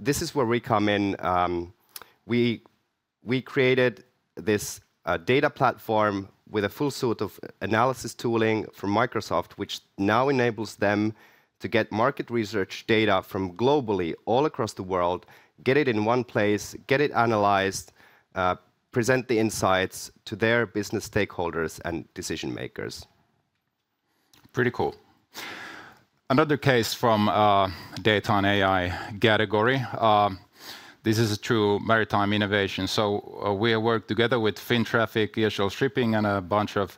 This is where we come in. We created this data platform with a full suite of analysis tooling from Microsoft, which now enables them to get market research data from globally, all across the world, get it in one place, get it analyzed, present the insights to their business stakeholders and decision-makers. Pretty cool. Another case from data and AI category. This is a true maritime innovation. We have worked together with Finntraffic, ESL Shipping, and a bunch of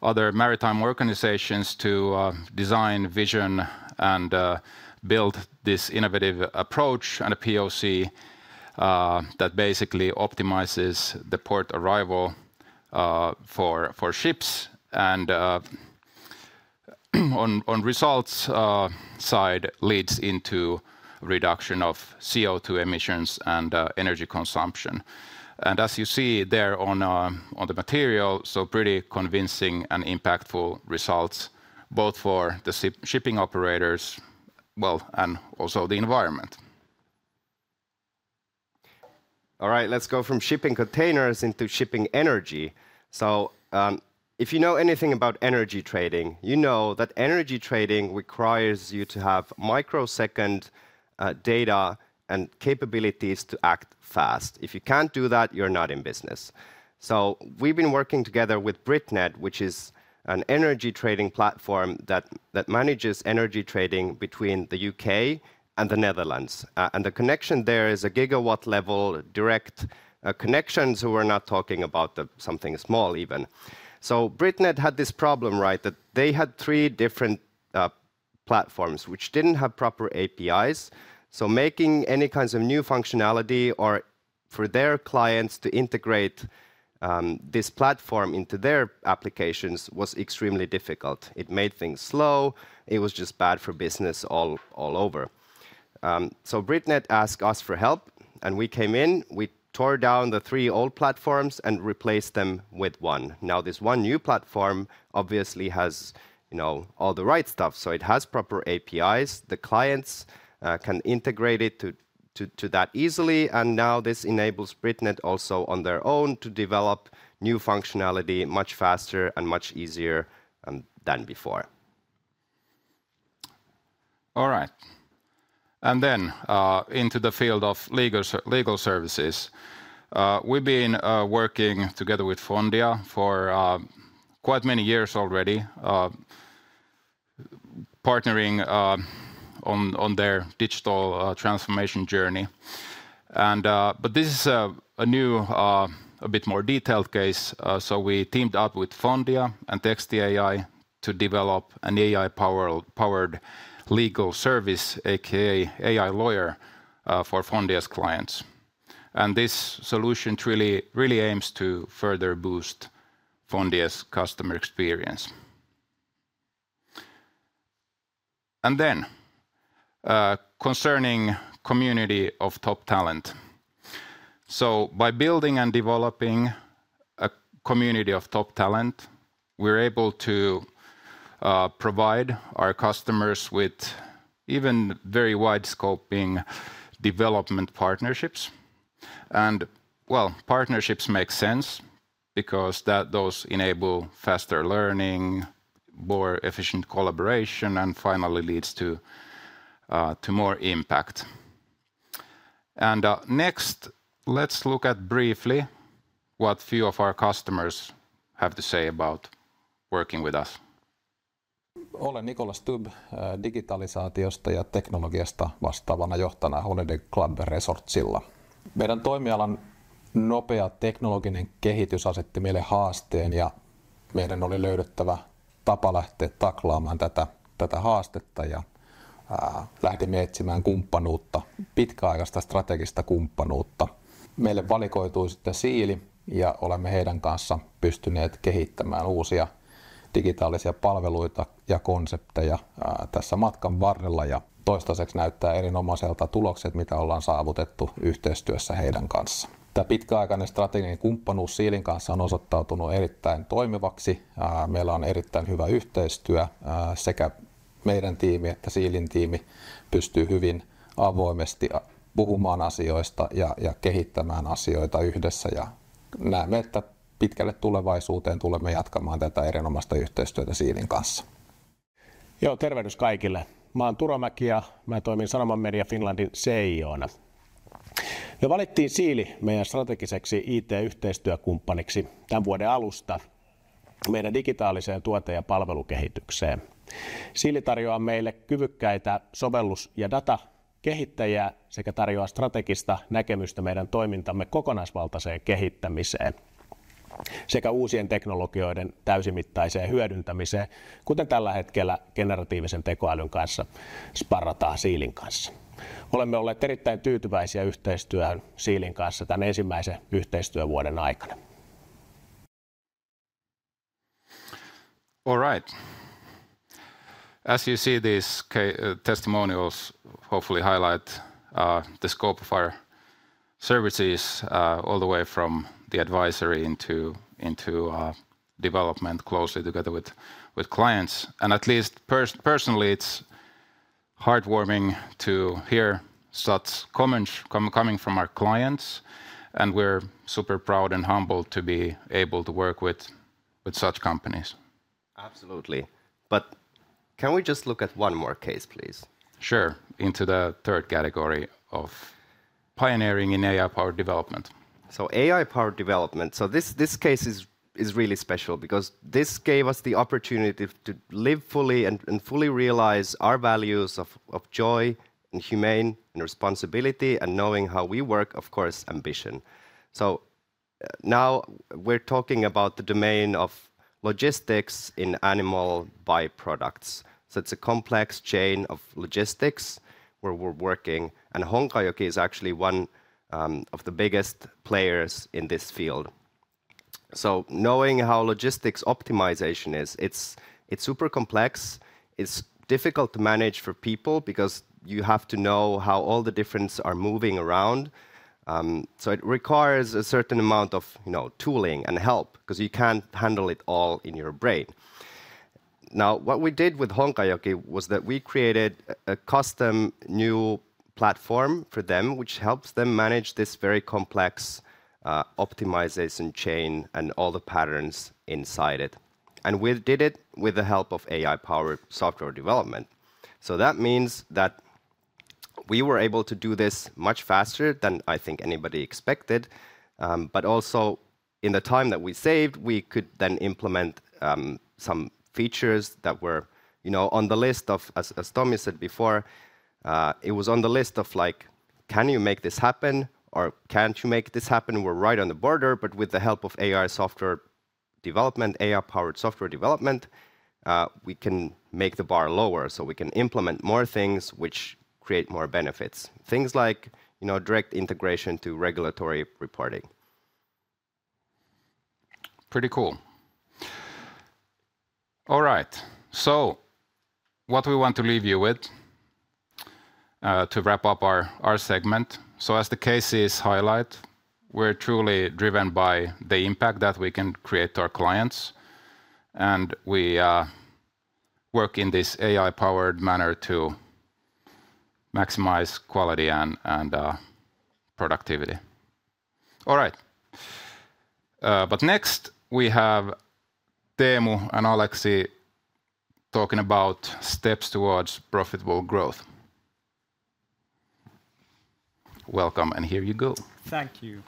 other maritime organizations to design, vision, and build this innovative approach and a POC that basically optimizes the port arrival for ships and on results side leads into reduction of CO2 emissions and energy consumption. As you see there on the material, so pretty convincing and impactful results both for the shipping operators, well, and also the environment. All right, let's go from shipping containers into shipping energy. So if you know anything about energy trading, you know that energy trading requires you to have microsecond data and capabilities to act fast. If you can't do that, you're not in business. So we've been working together with BritNed, which is an energy trading platform that manages energy trading between the U.K. and the Netherlands. And the connection there is a gigawatt level direct connection, so we're not talking about something small even. So BritNed had this problem, right, that they had three different platforms which didn't have proper APIs. So making any kinds of new functionality or for their clients to integrate this platform into their applications was extremely difficult. It made things slow. It was just bad for business all over, so BritNed asked us for help, and we came in. We tore down the three old platforms and replaced them with one. Now this one new platform obviously has all the right stuff, so it has proper APIs. The clients can integrate it to that easily, and now this enables BritNed also on their own to develop new functionality much faster and much easier than before. All right, and then into the field of legal services. We've been working together with Fondia for quite many years already, partnering on their digital transformation journey. But this is a new, a bit more detailed case, so we teamed up with Fondia and Textia AI to develop an AI-powered legal service, a.k.a. AI lawyer for Fondia's clients, and this solution really aims to further boost Fondia's customer experience. Concerning the community of top talent. By building and developing a community of top talent, we're able to provide our customers with even very wide-scoping development partnerships. Partnerships make sense because those enable faster learning, more efficient collaboration, and finally leads to more impact. Next, let's look at briefly what a few of our customers have to say about working with us. Olen Nikola Stubb, digitalisaatiosta ja teknologiasta vastaavana johtajana Holiday Club Resortsilla. Meidän toimialan nopea teknologinen kehitys asetti meille haasteen, ja meidän oli löydettävä tapa lähteä taklaamaan tätä haastetta. Lähdimme etsimään kumppanuutta, pitkäaikaista strategista kumppanuutta. Meille valikoitui sitten Siili, ja olemme heidän kanssaan pystyneet kehittämään uusia digitaalisia palveluita ja konsepteja tässä matkan varrella. Toistaiseksi näyttää erinomaiselta tulokset, mitä ollaan saavutettu yhteistyössä heidän kanssaan. Tämä pitkäaikainen strateginen kumppanuus Siilin kanssa on osoittautunut erittäin toimivaksi. Meillä on erittäin hyvä yhteistyö. Sekä meidän tiimi että Siilin tiimi pystyy hyvin avoimesti puhumaan asioista ja kehittämään asioita yhdessä. Näemme, että pitkälle tulevaisuuteen tulemme jatkamaan tätä erinomaista yhteistyötä Siilin kanssa. Joo, tervehdys kaikille. Mä oon Turo Mäki ja mä toimin Sanoma Media Finlandin CTO:na. Me valittiin Siili meidän strategiseksi IT-yhteistyökumppaniksi tämän vuoden alusta meidän digitaaliseen tuote- ja palvelukehitykseen. Siili tarjoaa meille kyvykkäitä sovellus- ja datakehittäjiä sekä tarjoaa strategista näkemystä meidän toimintamme kokonaisvaltaiseen kehittämiseen sekä uusien teknologioiden täysimittaiseen hyödyntämiseen, kuten tällä hetkellä generatiivisen tekoälyn kanssa sparrataan Siilin kanssa. Olemme olleet erittäin tyytyväisiä yhteistyöhön Siilin kanssa tämän ensimmäisen yhteistyövuoden aikana. All right. As you see, these testimonials hopefully highlight the scope of our services all the way from the advisory into development closely together with clients. At least personally, it's heartwarming to hear such comments coming from our clients, and we're super proud and humbled to be able to work with such companies. Absolutely. But can we just look at one more case, please? Sure. Into the third category of pioneering in AI-powered development. So AI-powered development. So this case is really special because this gave us the opportunity to live fully and fully realize our values of joy, humane, and responsibility, and knowing how we work, of course, ambition. So now we're talking about the domain of logistics in animal byproducts. So it's a complex chain of logistics where we're working. And Honkajoki is actually one of the biggest players in this field. So knowing how logistics optimization is, it's super complex. It's difficult to manage for people because you have to know how all the differences are moving around. So it requires a certain amount of tooling and help because you can't handle it all in your brain. Now, what we did with Honkajoki was that we created a custom new platform for them, which helps them manage this very complex optimization chain and all the patterns inside it. And we did it with the help of AI-powered software development. So that means that we were able to do this much faster than I think anybody expected. But also in the time that we saved, we could then implement some features that were on the list of, as Tomi said before, it was on the list of like, can you make this happen or can't you make this happen? We're right on the border, but with the help of AI software development, AI-powered software development, we can make the bar lower so we can implement more things which create more benefits. Things like direct integration to regulatory reporting. Pretty cool. All right. So what we want to leave you with to wrap up our segment. So as the cases highlight, we're truly driven by the impact that we can create to our clients. And we work in this AI-powered manner to maximize quality and productivity. All right. But next, we have Teemu and Aleksi talking about steps towards profitable growth. Welcome, and here you go. Thank you.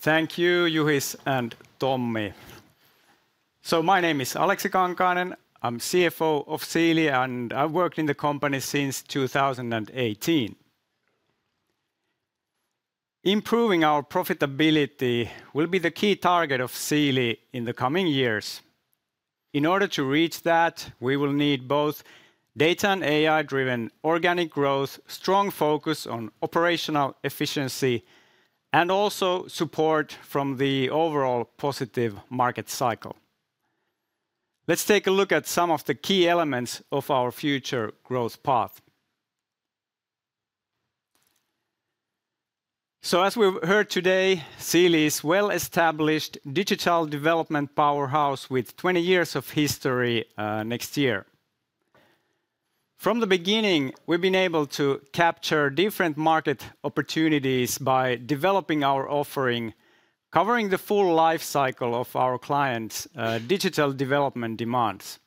Thank you, Juha and Tommi. So my name is Aleksi Kankainen. I'm CFO of Siili, and I've worked in the company since 2018. Improving our profitability will be the key target of Siili in the coming years. In order to reach that, we will need both data and AI-driven organic growth, strong focus on operational efficiency, and also support from the overall positive market cycle. Let's take a look at some of the key elements of our future growth path. So as we've heard today, Siili is a well-established digital development powerhouse with 20 years of history next year. From the beginning, we've been able to capture different market opportunities by developing our offering, covering the full lifecycle of our clients' digital development demands.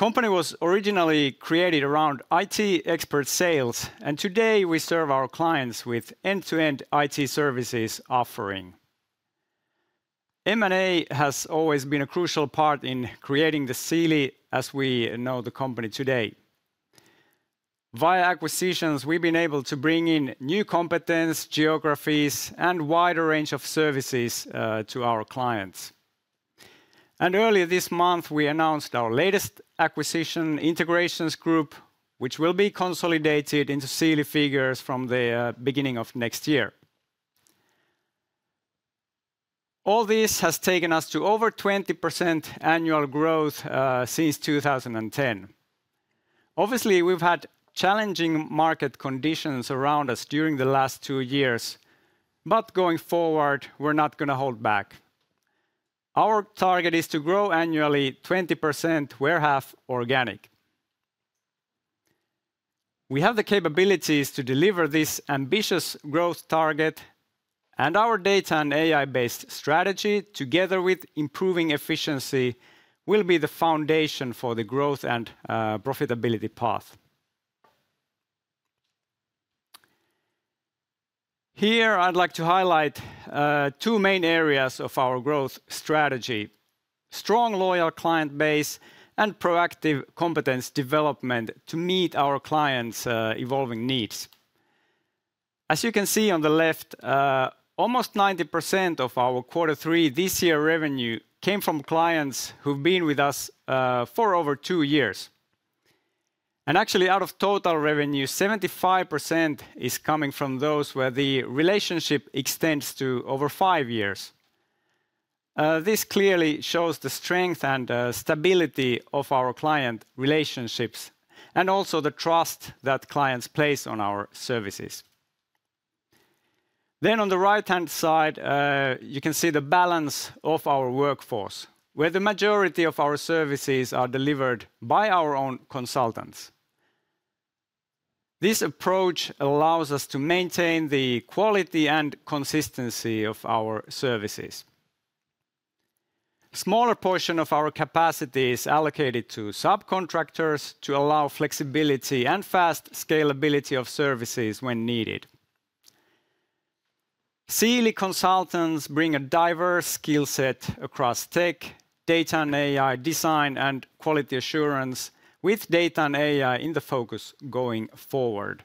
The company was originally created around IT expert sales, and today we serve our clients with end-to-end IT services offering. M&A has always been a crucial part in creating the Siili as we know the company today. Via acquisitions, we've been able to bring in new competence, geographies, and a wider range of services to our clients. And earlier this month, we announced our latest acquisition Integrations Group, which will be consolidated into Siili figures from the beginning of next year. All this has taken us to over 20% annual growth since 2010. Obviously, we've had challenging market conditions around us during the last two years, but going forward, we're not going to hold back. Our target is to grow annually 20%, whereof organic. We have the capabilities to deliver this ambitious growth target, and our data and AI-based strategy, together with improving efficiency, will be the foundation for the growth and profitability path. Here, I'd like to highlight two main areas of our growth strategy: strong loyal client base and proactive competence development to meet our clients' evolving needs. As you can see on the left, almost 90% of our quarter three this year revenue came from clients who've been with us for over two years. And actually, out of total revenue, 75% is coming from those where the relationship extends to over five years. This clearly shows the strength and stability of our client relationships and also the trust that clients place on our services. Then, on the right-hand side, you can see the balance of our workforce, where the majority of our services are delivered by our own consultants. This approach allows us to maintain the quality and consistency of our services. A smaller portion of our capacity is allocated to subcontractors to allow flexibility and fast scalability of services when needed. Siili consultants bring a diverse skill set across tech, data and AI design, and quality assurance, with data and AI in the focus going forward.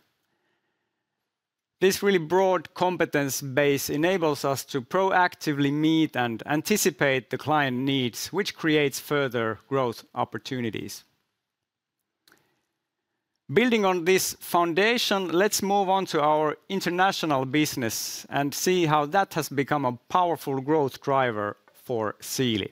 This really broad competence base enables us to proactively meet and anticipate the client needs, which creates further growth opportunities. Building on this foundation, let's move on to our international business and see how that has become a powerful growth driver for Siili.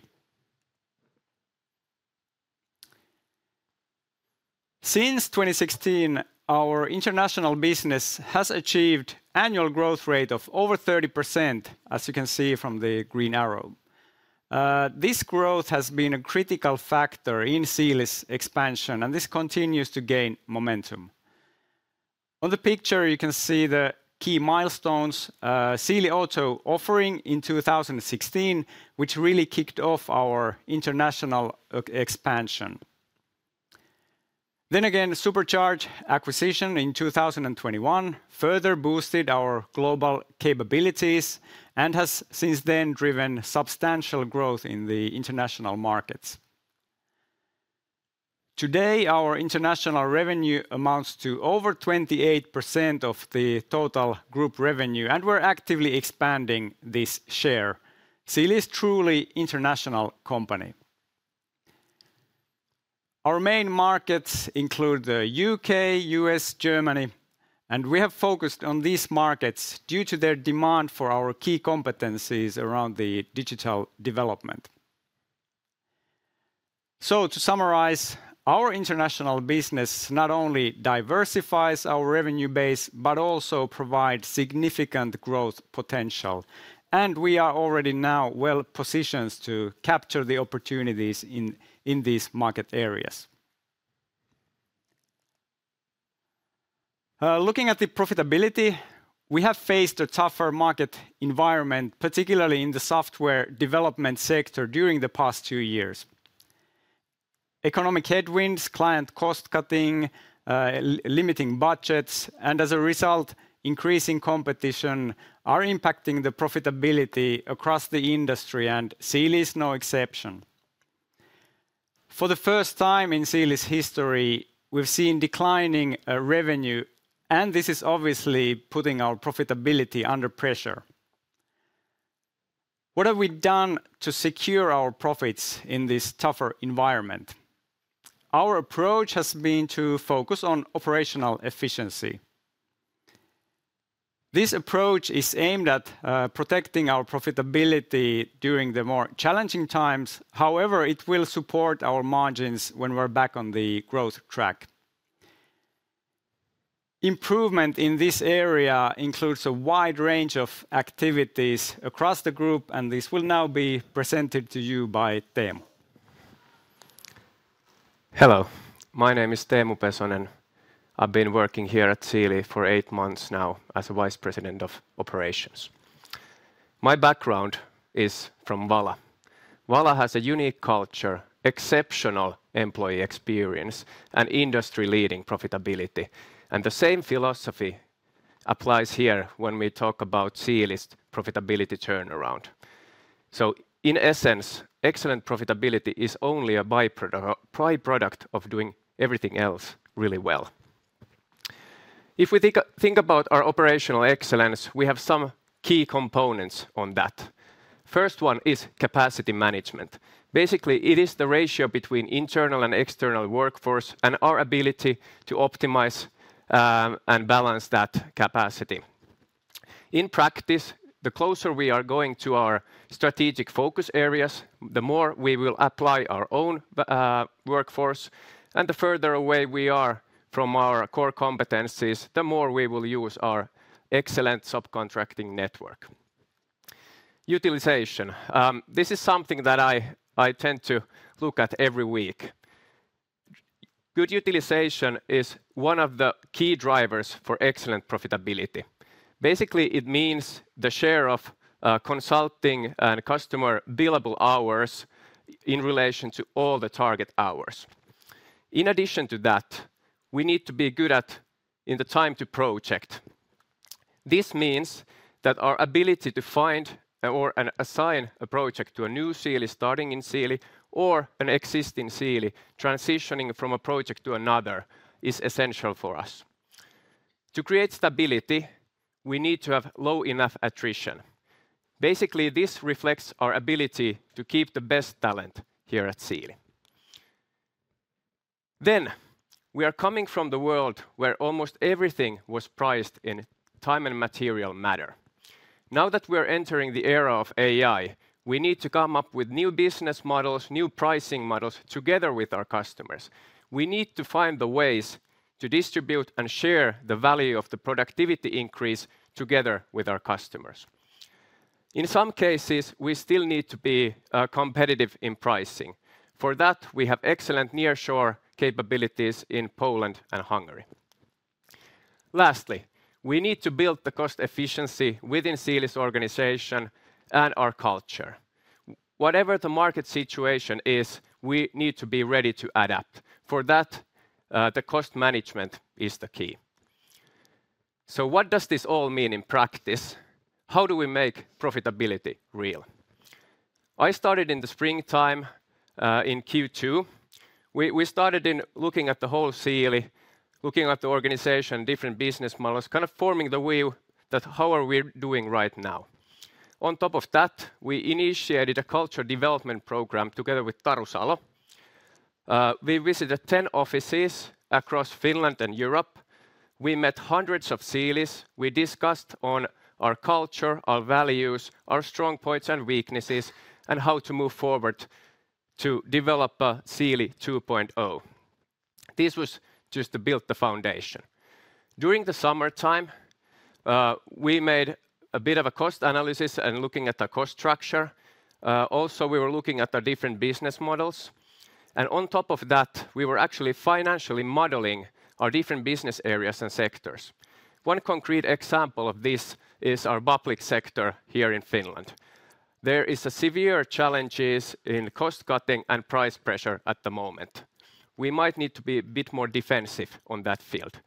Since 2016, our international business has achieved an annual growth rate of over 30%, as you can see from the green arrow. This growth has been a critical factor in Siili's expansion, and this continues to gain momentum. On the picture, you can see the key milestones: Siili Auto offering in 2016, which really kicked off our international expansion. Then again, Supercharge acquisition in 2021 further boosted our global capabilities and has since then driven substantial growth in the international markets. Today, our international revenue amounts to over 28% of the total group revenue, and we're actively expanding this share. Siili is truly an international company. Our main markets include the U.K., U.S., Germany, and we have focused on these markets due to their demand for our key competencies around the digital development. To summarize, our international business not only diversifies our revenue base, but also provides significant growth potential, and we are already now well positioned to capture the opportunities in these market areas. Looking at the profitability, we have faced a tougher market environment, particularly in the software development sector during the past two years. Economic headwinds, client cost cutting, limiting budgets, and as a result, increasing competition are impacting the profitability across the industry, and Siili is no exception. For the first time in Siili's history, we've seen declining revenue, and this is obviously putting our profitability under pressure. What have we done to secure our profits in this tougher environment? Our approach has been to focus on operational efficiency. This approach is aimed at protecting our profitability during the more challenging times. However, it will support our margins when we're back on the growth track. Improvement in this area includes a wide range of activities across the group, and this will now be presented to you by Teemu. Hello. My name is Teemu Pesonen. I've been working here at Siili for eight months now as a vice president of operations. My background is from Vala. Vala has a unique culture, exceptional employee experience, and industry-leading profitability, and the same philosophy applies here when we talk about Siili's profitability turnaround, so in essence, excellent profitability is only a byproduct of doing everything else really well. If we think about our operational excellence, we have some key components on that. The first one is capacity management. Basically, it is the ratio between internal and external workforce and our ability to optimize and balance that capacity. In practice, the closer we are going to our strategic focus areas, the more we will apply our own workforce, and the further away we are from our core competencies, the more we will use our excellent subcontracting network. Utilization. This is something that I tend to look at every week. Good utilization is one of the key drivers for excellent profitability. Basically, it means the share of consulting and customer billable hours in relation to all the target hours. In addition to that, we need to be good at the time to project. This means that our ability to find or assign a project to a new Siili starting in Siili or an existing Siili transitioning from a project to another is essential for us. To create stability, we need to have low enough attrition. Basically, this reflects our ability to keep the best talent here at Siili. Then, we are coming from the world where almost everything was priced in time and material manner. Now that we are entering the era of AI, we need to come up with new business models, new pricing models together with our customers. We need to find the ways to distribute and share the value of the productivity increase together with our customers. In some cases, we still need to be competitive in pricing. For that, we have excellent nearshore capabilities in Poland and Hungary. Lastly, we need to build the cost efficiency within Siili's organization and our culture. Whatever the market situation is, we need to be ready to adapt. For that, the cost management is the key. So, what does this all mean in practice? How do we make profitability real? I started in the springtime in Q2. We started in looking at the whole Siili, looking at the organization, different business models, kind of forming the wheel that how are we doing right now. On top of that, we initiated a culture development program together with Taru Salo. We visited 10 offices across Finland and Europe. We met hundreds of Siilis. We discussed our culture, our values, our strong points and weaknesses, and how to move forward to develop a Siili 2.0. This was just to build the foundation. During the summertime, we made a bit of a cost analysis and looking at the cost structure. Also, we were looking at our different business models, and on top of that, we were actually financially modeling our different business areas and sectors. One concrete example of this is our public sector here in Finland. There are severe challenges in cost cutting and price pressure at the moment. We might need to be a bit more defensive on that field.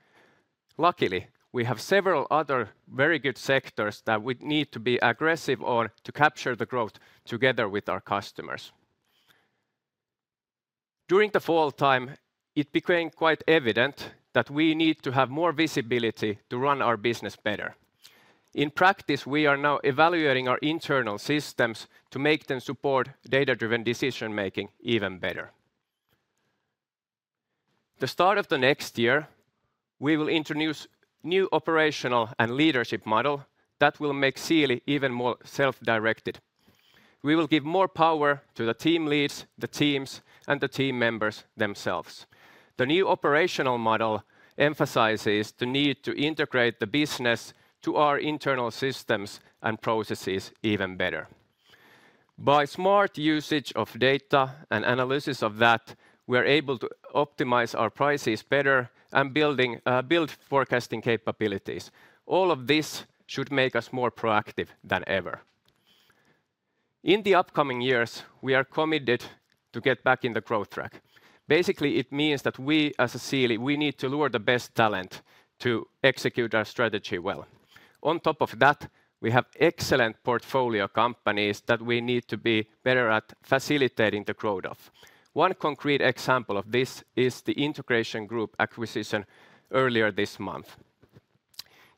Luckily, we have several other very good sectors that we need to be aggressive on to capture the growth together with our customers. During the fall time, it became quite evident that we need to have more visibility to run our business better. In practice, we are now evaluating our internal systems to make them support data-driven decision-making even better. The start of the next year, we will introduce a new operational and leadership model that will make Siili even more self-directed. We will give more power to the team leads, the teams, and the team members themselves. The new operational model emphasizes the need to integrate the business to our internal systems and processes even better. By smart usage of data and analysis of that, we are able to optimize our prices better and build forecasting capabilities. All of this should make us more proactive than ever. In the upcoming years, we are committed to get back on the growth track. Basically, it means that we as a Siili, we need to lure the best talent to execute our strategy well. On top of that, we have excellent portfolio companies that we need to be better at facilitating the growth of. One concrete example of this is the Integrations Group acquisition earlier this month.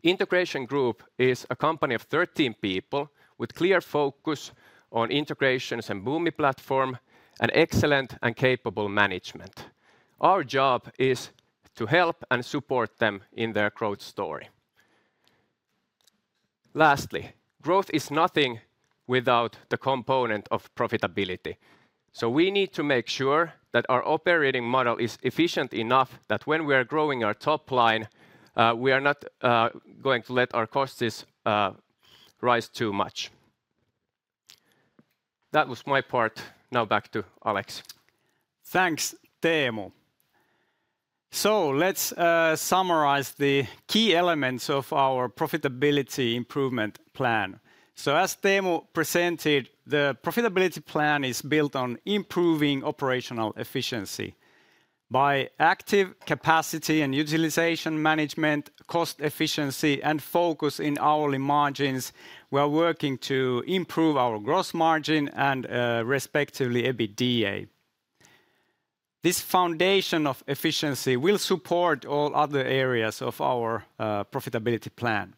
Integrations Group is a company of 13 people with a clear focus on integrations and Boomi platform and excellent and capable management. Our job is to help and support them in their growth story. Lastly, growth is nothing without the component of profitability. We need to make sure that our operating model is efficient enough that when we are growing our top line, we are not going to let our costs rise too much. That was my part. Now back to Alex. Thanks, Teemu. Let's summarize the key elements of our profitability improvement plan. As Teemu presented, the profitability plan is built on improving operational efficiency. By active capacity and utilization management, cost efficiency, and focus on hourly margins, we are working to improve our gross margin and respectively EBITDA. This foundation of efficiency will support all other areas of our profitability plan.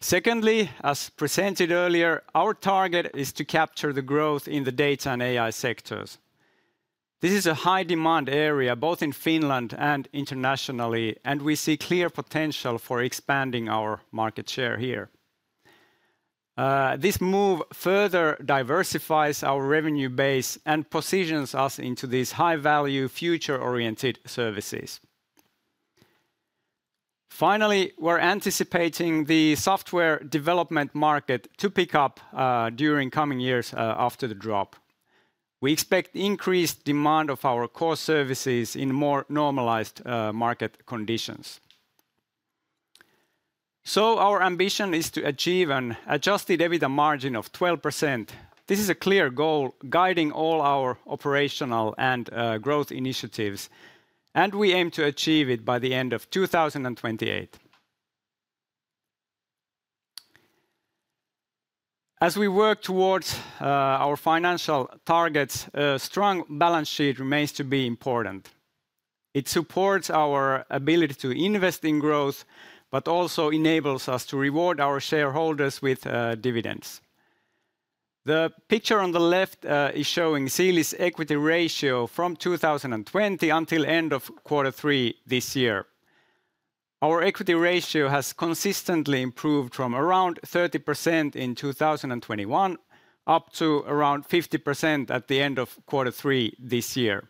Secondly, as presented earlier, our target is to capture the growth in the data and AI sectors. This is a high-demand area both in Finland and internationally, and we see clear potential for expanding our market share here. This move further diversifies our revenue base and positions us into these high-value, future-oriented services. Finally, we're anticipating the software development market to pick up during coming years after the drop. We expect increased demand for our core services in more normalized market conditions. So, our ambition is to achieve an adjusted EBITDA margin of 12%. This is a clear goal guiding all our operational and growth initiatives, and we aim to achieve it by the end of 2028. As we work towards our financial targets, a strong balance sheet remains to be important. It supports our ability to invest in growth, but also enables us to reward our shareholders with dividends. The picture on the left is showing Siili's equity ratio from 2020 until the end of quarter three this year. Our equity ratio has consistently improved from around 30% in 2021 up to around 50% at the end of quarter three this year.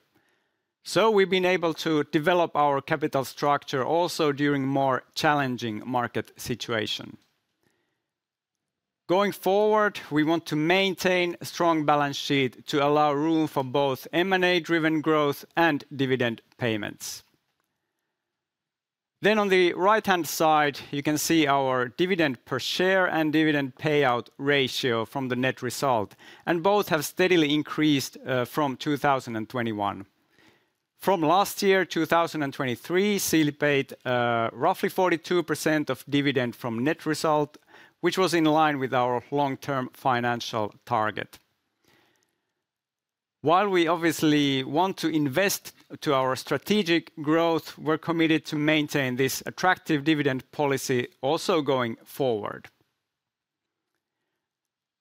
So, we've been able to develop our capital structure also during more challenging market situations. Going forward, we want to maintain a strong balance sheet to allow room for both M&A-driven growth and dividend payments. Then, on the right-hand side, you can see our dividend per share and dividend payout ratio from the net result, and both have steadily increased from 2021. From last year, 2023, Siili paid roughly 42% of dividend from net result, which was in line with our long-term financial target. While we obviously want to invest in our strategic growth, we're committed to maintain this attractive dividend policy also going forward.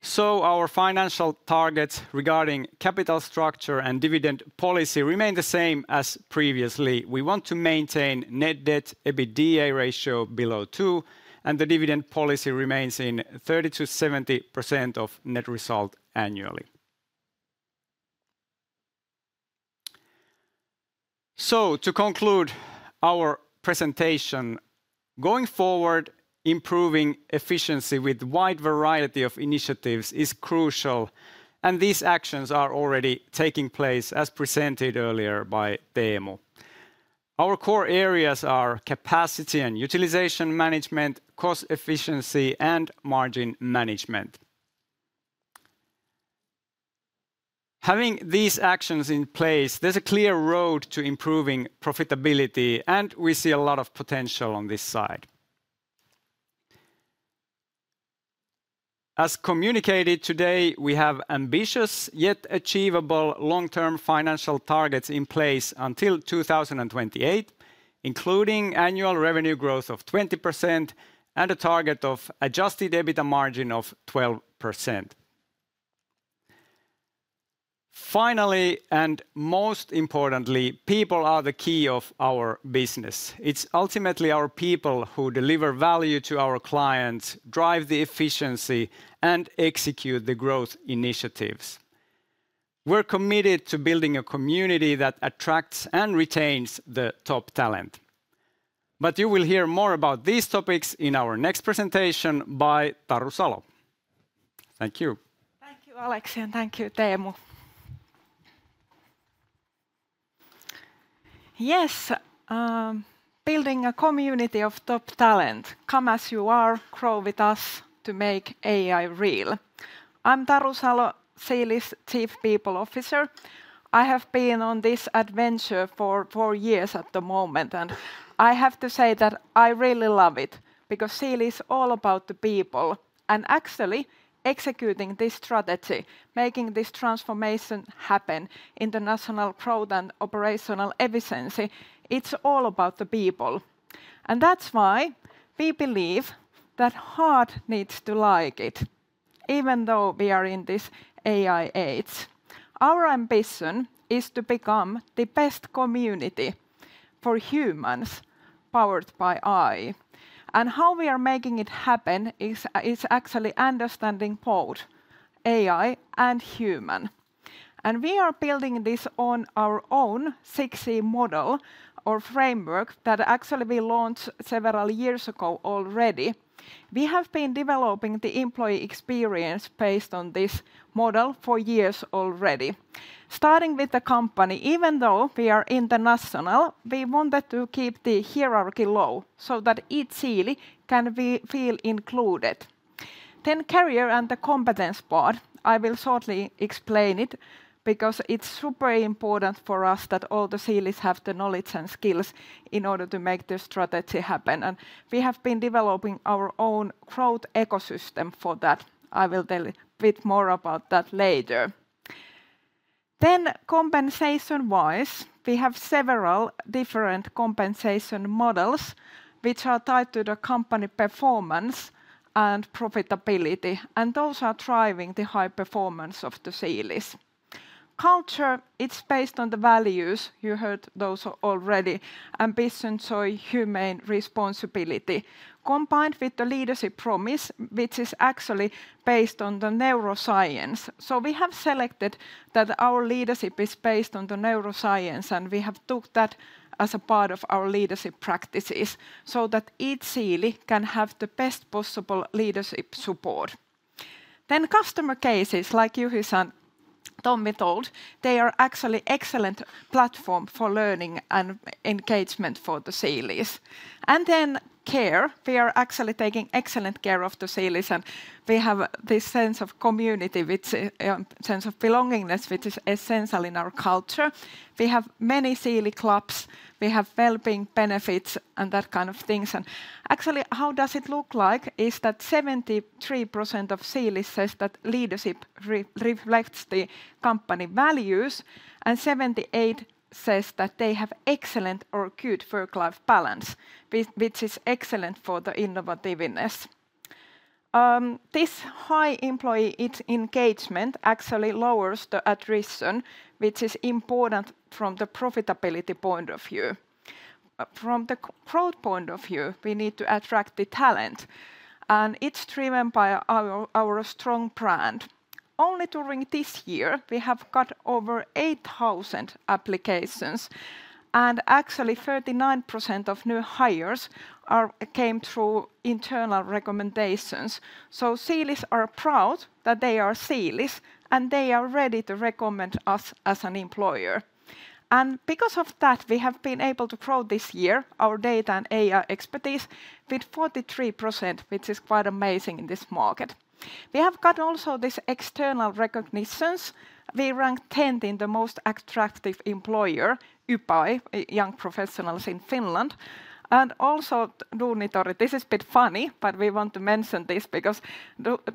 So, our financial targets regarding capital structure and dividend policy remain the same as previously. We want to maintain net debt/EBITDA ratio below 2, and the dividend policy remains in 30%-70% of net result annually. So, to conclude our presentation, going forward, improving efficiency with a wide variety of initiatives is crucial, and these actions are already taking place, as presented earlier by Teemu. Our core areas are capacity and utilization management, cost efficiency, and margin management. Having these actions in place, there's a clear road to improving profitability, and we see a lot of potential on this side. As communicated today, we have ambitious yet achievable long-term financial targets in place until 2028, including annual revenue growth of 20% and a target of adjusted EBITDA margin of 12%. Finally, and most importantly, people are the key of our business. It's ultimately our people who deliver value to our clients, drive the efficiency, and execute the growth initiatives. We're committed to building a community that attracts and retains the top talent. But you will hear more about these topics in our next presentation by Taru Salo.Thank you. Thank you, Alex, and thank you, Teemu. Yes, building a community of top talent. Come as you are, grow with us to make AI real. I'm Taru Salo, Siili's Chief People Officer. I have been on this adventure for four years at the moment, and I have to say that I really love it because Siili is all about the people and actually executing this strategy, making this transformation happen, international growth, and operational efficiency. It's all about the people. And that's why we believe that heart needs to like it, even though we are in this AI age. Our ambition is to become the best community for humans powered by AI. How we are making it happen is actually understanding both AI and human. We are building this on our own 6C model or framework that actually we launched several years ago already. We have been developing the employee experience based on this model for years already. Starting with the company, even though we are international, we wanted to keep the hierarchy low so that each Siili can feel included. Then career and the competence part. I will shortly explain it because it's super important for us that all the Siilis have the knowledge and skills in order to make this strategy happen. We have been developing our own growth ecosystem for that. I will tell you a bit more about that later. Then compensation-wise, we have several different compensation models which are tied to the company performance and profitability, and those are driving the high performance of the Siilis. Culture, it's based on the values. You heard those already. Ambition, joy, human, responsibility, combined with the leadership promise, which is actually based on the neuroscience. So we have selected that our leadership is based on the neuroscience, and we have took that as a part of our leadership practices so that each Siili can have the best possible leadership support. Then customer cases, like Juhis and Tommi told, they are actually an excellent platform for learning and engagement for the Siilis. And then care. We are actually taking excellent care of the Siilis, and we have this sense of community, which is a sense of belongingness, which is essential in our culture. We have many Siili clubs. We have well-being benefits and that kind of things, and actually, how does it look like? Is that 73% of Siilis says that leadership reflects the company values, and 78% says that they have excellent or good work-life balance, which is excellent for the innovativeness. This high employee engagement actually lowers the attrition, which is important from the profitability point of view. From the growth point of view, we need to attract the talent, and it's driven by our strong brand. Only during this year, we have got over 8,000 applications, and actually 39% of new hires came through internal recommendations, so Siilis are proud that they are Siilis, and they are ready to recommend us as an employer, and because of that, we have been able to grow this year, our data and AI expertise with 43%, which is quite amazing in this market. We have got also these external recognitions. We ranked 10th in the most attractive employer, YPAI, Young Professionals in Finland, and also Duunitori, this is a bit funny, but we want to mention this because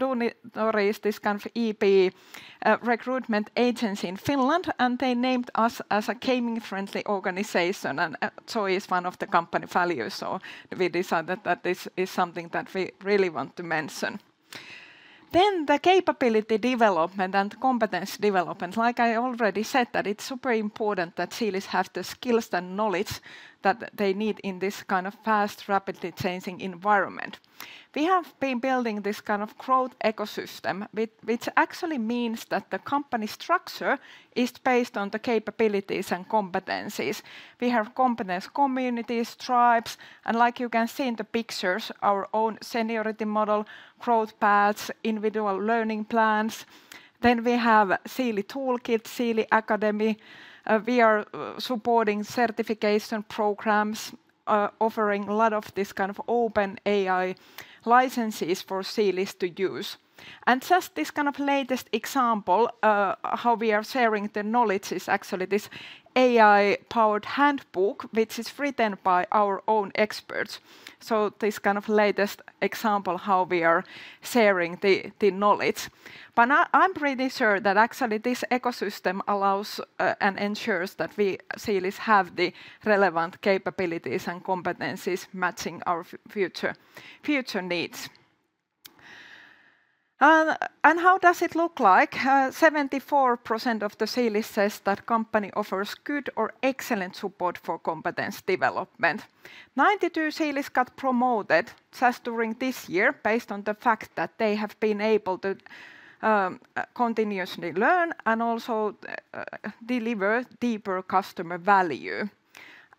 Duunitori is this kind of top recruitment agency in Finland, and they named us as a gaming-friendly organization, and joy is one of the company values, so we decided that this is something that we really want to mention, then the capability development and competence development. Like I already said, that it's super important that Siili's have the skills and knowledge that they need in this kind of fast, rapidly changing environment. We have been building this kind of growth ecosystem, which actually means that the company structure is based on the capabilities and competencies. We have competence communities, tribes, and like you can see in the pictures, our own seniority model, growth paths, individual learning plans. Then we have Siili Toolkit, Siili Academy. We are supporting certification programs, offering a lot of this kind of OpenAI licenses for Siilis to use. And just this kind of latest example, how we are sharing the knowledge is actually this AI-powered handbook, which is written by our own experts. So this kind of latest example how we are sharing the knowledge. But I'm pretty sure that actually this ecosystem allows and ensures that we Siilis have the relevant capabilities and competencies matching our future needs. And how does it look like? 74% of the Siilis says that company offers good or excellent support for competence development. 92% of Siilis got promoted just during this year based on the fact that they have been able to continuously learn and also deliver deeper customer value,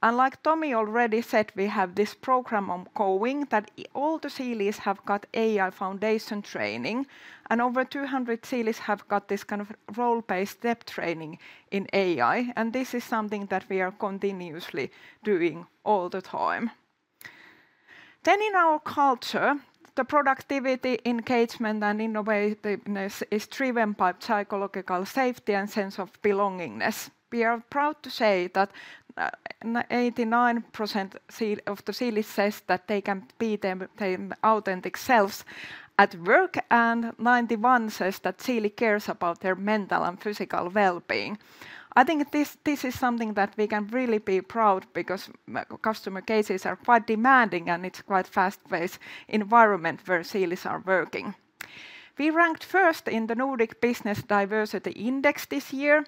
and like Tommi already said, we have this program ongoing that all the Siilis have got AI foundation training, and over 200 Siilis have got this kind of role-based depth training in AI, and this is something that we are continuously doing all the time, then in our culture, the productivity, engagement, and innovativeness is driven by psychological safety and sense of belongingness. We are proud to say that 89% of the Siilis says that they can be their authentic selves at work, and 91% says that Siili cares about their mental and physical well-being. I think this is something that we can really be proud because customer cases are quite demanding, and it's quite a fast-paced environment where Siilis are working. We ranked first in the Nordic Business Diversity Index this year,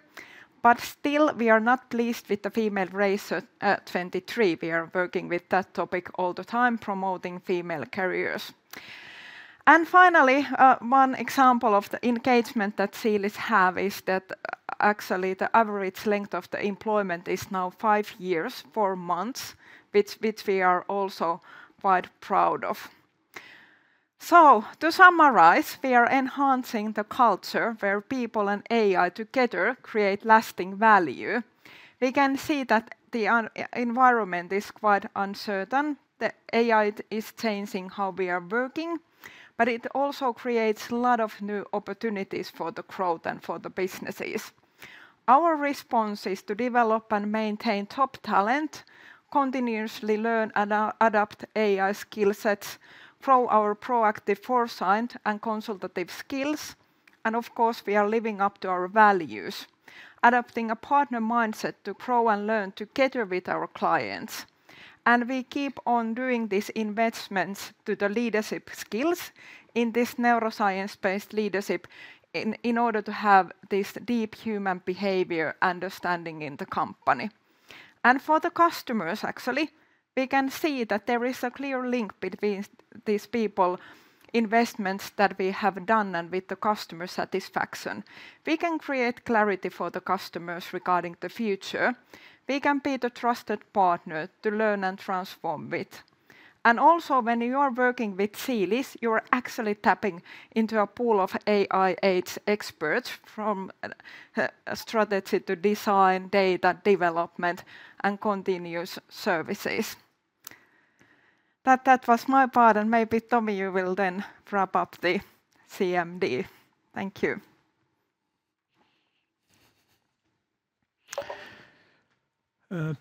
but still we are not pleased with the female ratio at 23%. We are working with that topic all the time, promoting female careers. And finally, one example of the engagement that Siili's have is that actually the average length of the employment is now five years four months, which we are also quite proud of. So to summarize, we are enhancing the culture where people and AI together create lasting value. We can see that the environment is quite uncertain. The AI is changing how we are working, but it also creates a lot of new opportunities for the growth and for the businesses. Our response is to develop and maintain top talent, continuously learn and adapt AI skill sets, grow our proactive foresight and consultative skills, and of course we are living up to our values, adopting a partner mindset to grow and learn together with our clients. And we keep on doing these investments to the leadership skills in this neuroscience-based leadership in order to have this deep human behavior understanding in the company. And for the customers, actually, we can see that there is a clear link between these people investments that we have done and with the customer satisfaction. We can create clarity for the customers regarding the future. We can be the trusted partner to learn and transform with. And also when you are working with Siili, you are actually tapping into a pool of AI age experts from strategy to design, data development, and continuous services. That was my part, and maybe Tomi, you will then wrap up the CMD. Thank you.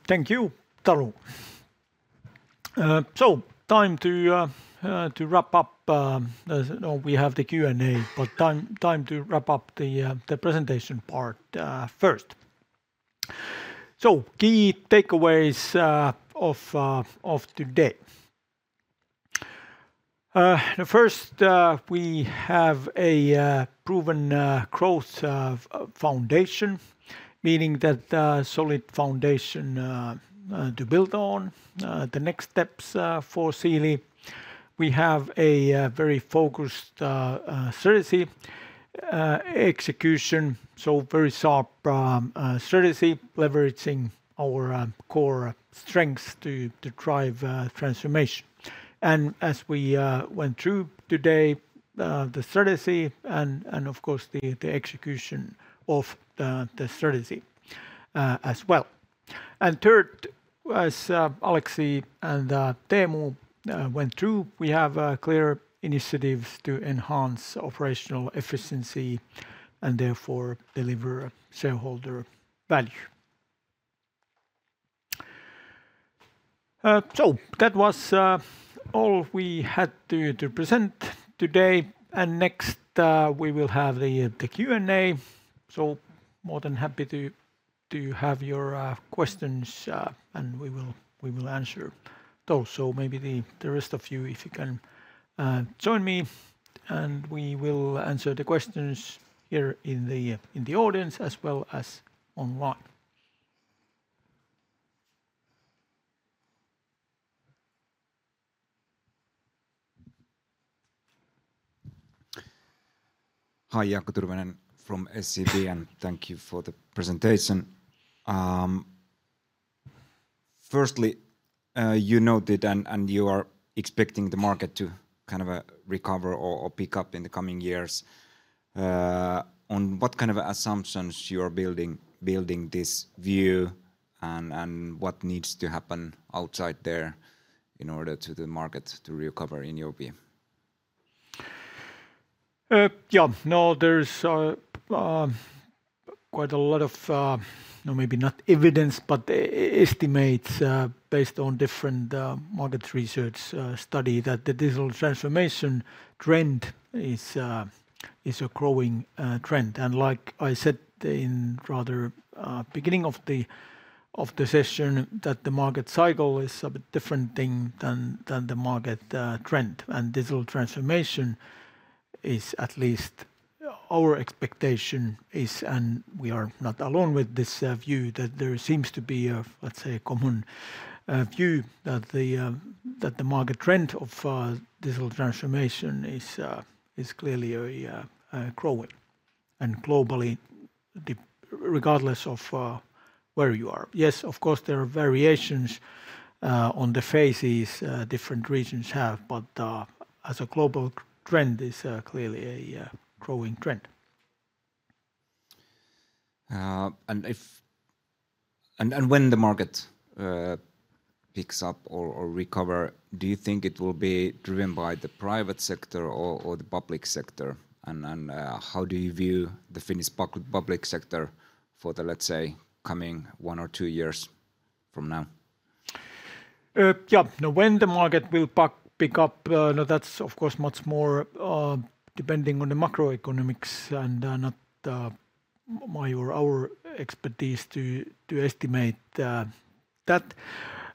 Thank you, Taru. So time to wrap up. We have the Q&A, but time to wrap up the presentation part first. So key takeaways of today. The first, we have a proven growth foundation, meaning that solid foundation to build on the next steps for Siili. We have a very focused strategy execution, so very sharp strategy, leveraging our core strengths to drive transformation. And as we went through today, the strategy and of course the execution of the strategy as well. And third, as Aleksi and Teemu went through, we have clear initiatives to enhance operational efficiency and therefore deliver shareholder value. So that was all we had to present today. And next we will have the Q&A. So more than happy to have your questions, and we will answer those. So maybe the rest of you, if you can join me, and we will answer the questions here in the audience as well as online. Hi, Jaakko Tyrväinen from SEB, and thank you for the presentation. Firstly, you noted and you are expecting the market to kind of recover or pick up in the coming years. On what kind of assumptions you are building this view and what needs to happen outside there in order for the market to recover in your view? Yeah, no, there's quite a lot of, maybe not evidence, but estimates based on different market research studies that the digital transformation trend is a growing trend. And like I said in rather the beginning of the session, that the market cycle is a different thing than the market trend. Digital transformation is at least our expectation, and we are not alone with this view that there seems to be, let's say, a common view that the market trend of digital transformation is clearly growing and globally, regardless of where you are. Yes, of course, there are variations on the phases different regions have, but as a global trend, it is clearly a growing trend. When the market picks up or recovers, do you think it will be driven by the private sector or the public sector? How do you view the Finnish public sector for the, let's say, coming one or two years from now? Yeah, when the market will pick up, that's of course much more depending on the macroeconomics and not my or our expertise to estimate that.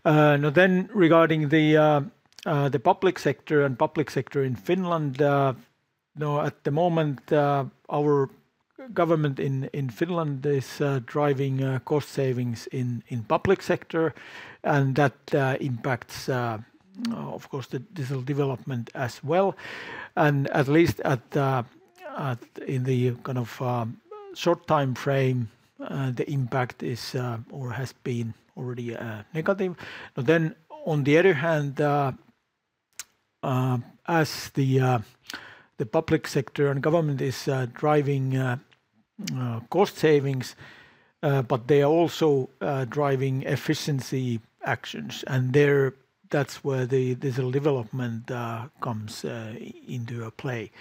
Then, regarding the public sector and public sector in Finland, at the moment, our government in Finland is driving cost savings in public sector, and that impacts, of course, the digital development as well. And at least in the kind of short time frame, the impact has been already negative. Then on the other hand, as the public sector and government is driving cost savings, but they are also driving efficiency actions, and that's where the digital development comes into play.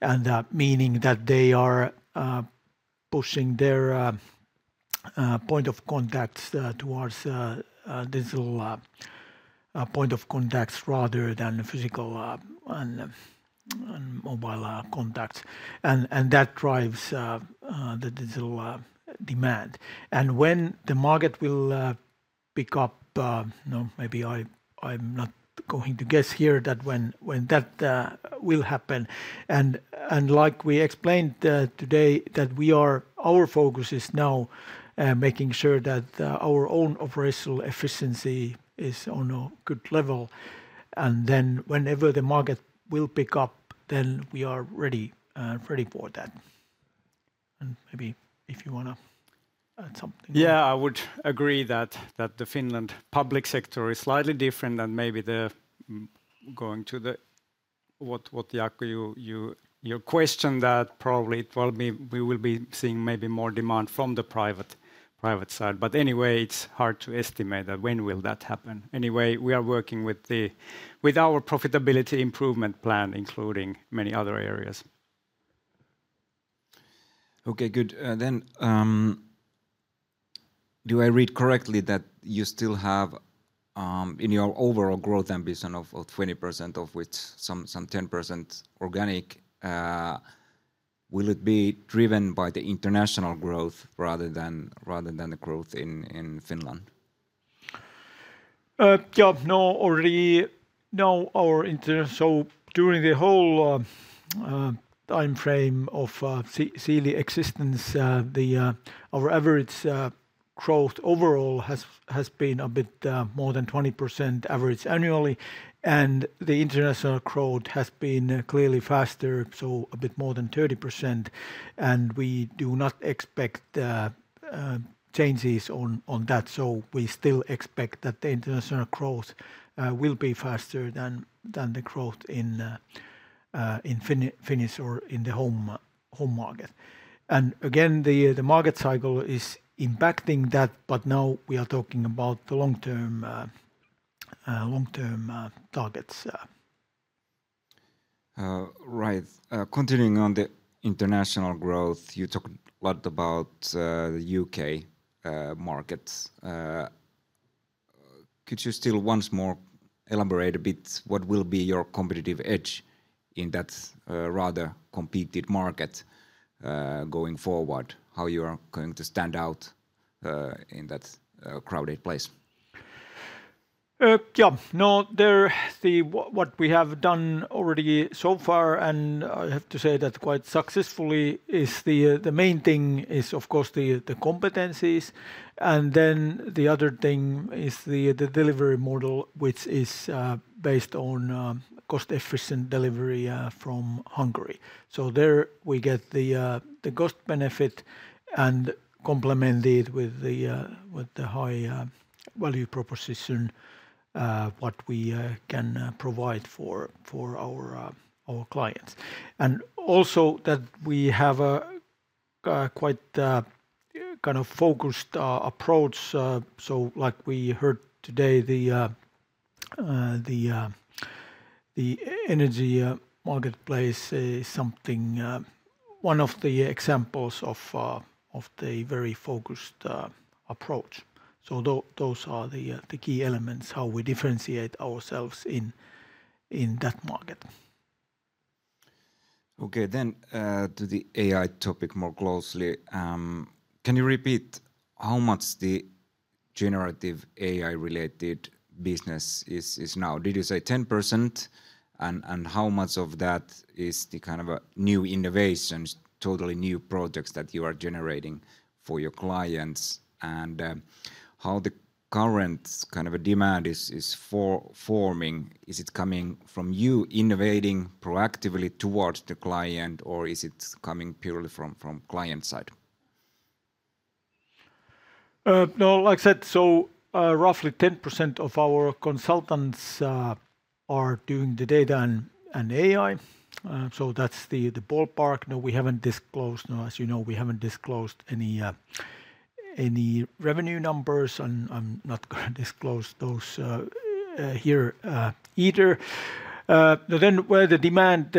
And meaning that they are pushing their point of contact towards digital point of contacts rather than physical and mobile contacts. And that drives the digital demand. And when the market will pick up, maybe I'm not going to guess here, that when that will happen. And like we explained today, our focus is now making sure that our own operational efficiency is on a good level. And then whenever the market will pick up, then we are ready for that. And maybe if you want to add something. Yeah, I would agree that the Finnish public sector is slightly different than maybe the going to the, what Jaakko, your question, that probably we will be seeing maybe more demand from the private side. But anyway, it's hard to estimate when will that happen. Anyway, we are working with our profitability improvement plan, including many other areas. Okay, good. Then do I read correctly that you still have in your overall growth ambition of 20%, of which some 10% organic? Will it be driven by the international growth rather than the growth in Finland? Yeah, no, already now our international. So during the whole time frame of Siili's existence, our average growth overall has been a bit more than 20% average annually. The international growth has been clearly faster, so a bit more than 30%. We do not expect changes on that. So we still expect that the international growth will be faster than the growth in Finland or in the home market. And again, the market cycle is impacting that, but now we are talking about the long-term targets. Right, continuing on the international growth, you talked a lot about the U.K. markets. Could you still once more elaborate a bit what will be your competitive edge in that rather competitive market going forward? How are you going to stand out in that crowded place? Yeah, no, what we have done already so far, and I have to say that quite successfully, the main thing is of course the competencies. And then the other thing is the delivery model, which is based on cost-efficient delivery from Hungary. So there we get the cost benefit and complement it with the high value proposition, what we can provide for our clients. And also that we have a quite kind of focused approach. So like we heard today, the energy marketplace is something, one of the examples of the very focused approach. So those are the key elements, how we differentiate ourselves in that market. Okay, then to the AI topic more closely. Can you repeat how much the generative AI-related business is now? Did you say 10%? And how much of that is the kind of new innovations, totally new projects that you are generating for your clients? And how the current kind of demand is forming? Is it coming from you innovating proactively towards the client, or is it coming purely from client side? No, like I said, so roughly 10% of our consultants are doing the data and AI. So that's the ballpark. No, we haven't disclosed, as you know, we haven't disclosed any revenue numbers. I'm not going to disclose those here either. Then where the demand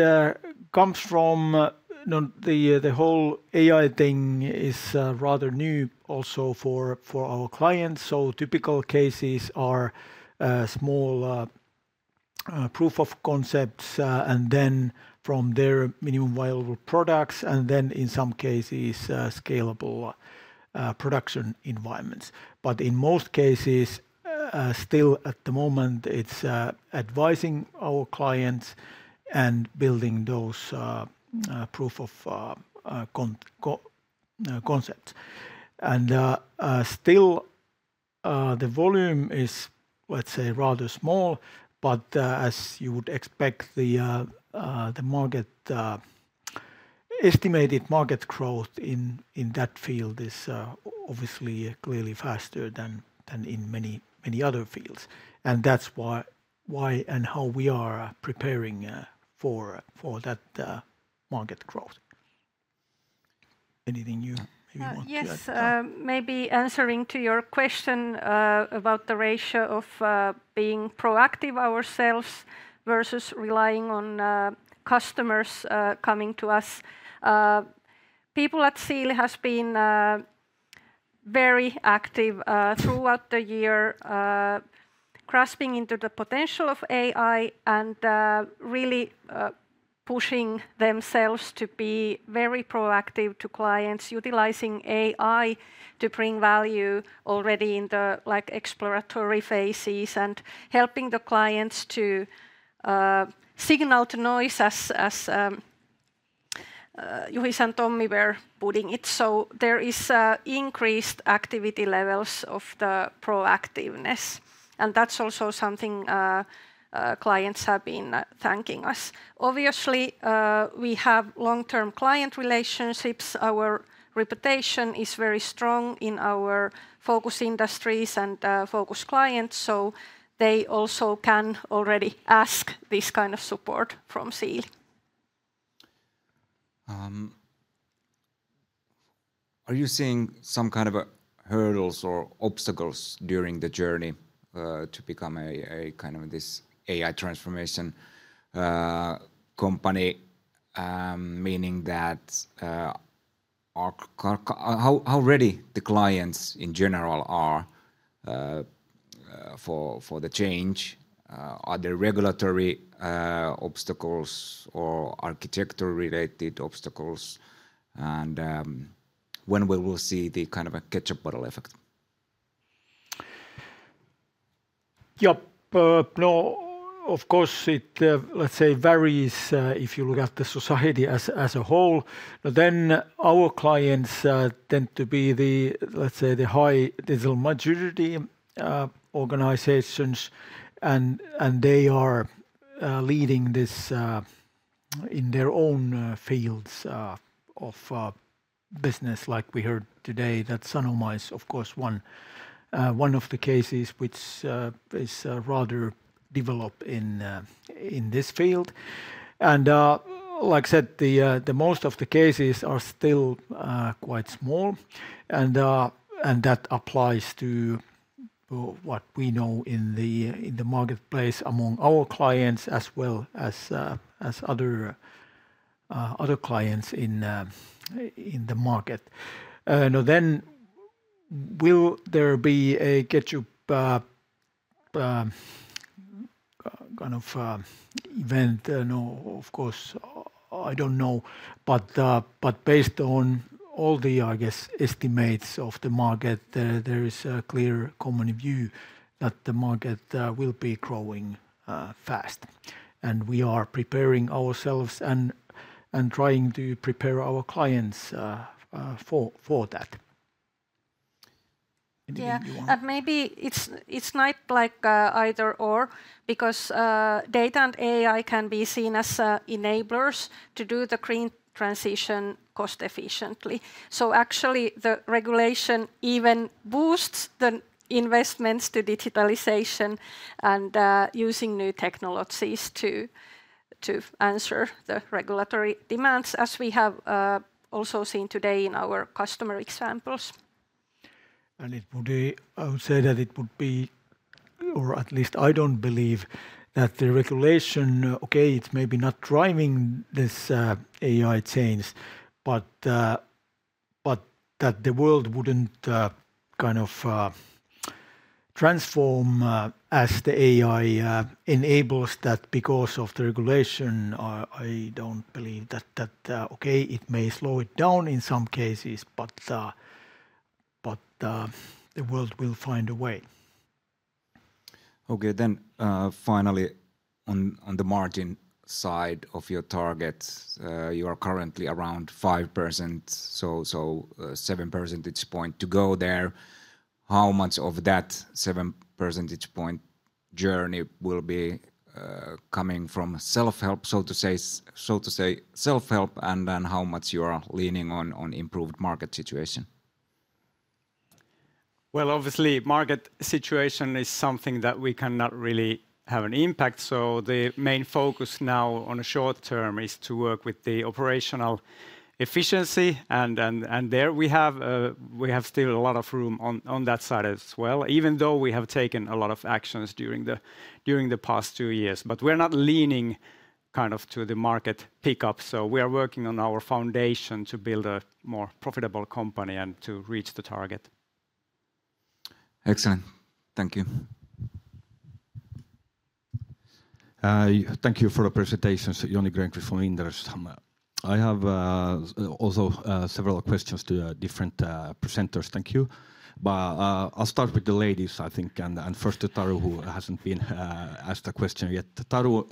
comes from, the whole AI thing is rather new also for our clients. So typical cases are small proof of concepts and then from their minimum viable products, and then in some cases scalable production environments. But in most cases, still at the moment, it's advising our clients and building those proof of concepts. And still the volume is, let's say, rather small, but as you would expect, the estimated market growth in that field is obviously clearly faster than in many other fields. And that's why and how we are preparing for that market growth. Anything you maybe want to add? Yes, maybe answering to your question about the ratio of being proactive ourselves versus relying on customers coming to us. People at Siili have been very active throughout the year, grasping into the potential of AI and really pushing themselves to be very proactive to clients, utilizing AI to bring value already in the exploratory phases and helping the clients to signal to noise, as Juhis and Tommi were putting it. So there is increased activity levels of the proactiveness. And that's also something clients have been thanking us. Obviously, we have long-term client relationships. Our reputation is very strong in our focus industries and focus clients. So they also can already ask this kind of support from Siili. Are you seeing some kind of hurdles or obstacles during the journey to become a kind of this AI transformation company? Meaning that how ready the clients in general are for the change? Are there regulatory obstacles or architecture-related obstacles? And when will we see the kind of a ketchup bottle effect? Yeah, of course, it varies if you look at the society as a whole. Then our clients tend to be the, let's say, the high digital maturity organizations, and they are leading this in their own fields of business. Like we heard today, that Sanoma is, of course, one of the cases which is rather developed in this field. And like I said, most of the cases are still quite small. And that applies to what we know in the marketplace among our clients as well as other clients in the market. Then will there be a ketchup kind of event? No, of course, I don't know. But based on all the, I guess, estimates of the market, there is a clear common view that the market will be growing fast. And we are preparing ourselves and trying to prepare our clients for that. Yeah, and maybe it's not like either/or, because data and AI can be seen as enablers to do the green transition cost-efficiently. So actually, the regulation even boosts the investments to digitalization and using new technologies to answer the regulatory demands, as we have also seen today in our customer examples. And I would say that it would be, or at least I don't believe, that the regulation, okay, it's maybe not driving this AI change, but that the world wouldn't kind of transform as the AI enables that because of the regulation. I don't believe that, okay, it may slow it down in some cases, but the world will find a way. Okay, then finally, on the margin side of your targets, you are currently around 5%, so 7 percentage points to go there. How much of that 7 percentage point journey will be coming from self-help, so to say, self-help, and then how much you are leaning on improved market situation? Well, obviously, market situation is something that we cannot really have an impact. So the main focus now on the short term is to work with the operational efficiency. And there we have still a lot of room on that side as well, even though we have taken a lot of actions during the past two years. But we're not leaning kind of to the market pickup. So we are working on our foundation to build a more profitable company and to reach the target. Excellent. Thank you. Thank you for the presentation, Joni Grönqvist from Inderes. Tomi. I have also several questions to different presenters. Thank you. But I'll start with the ladies, I think, and first to Taru, who hasn't been asked a question yet. Taru,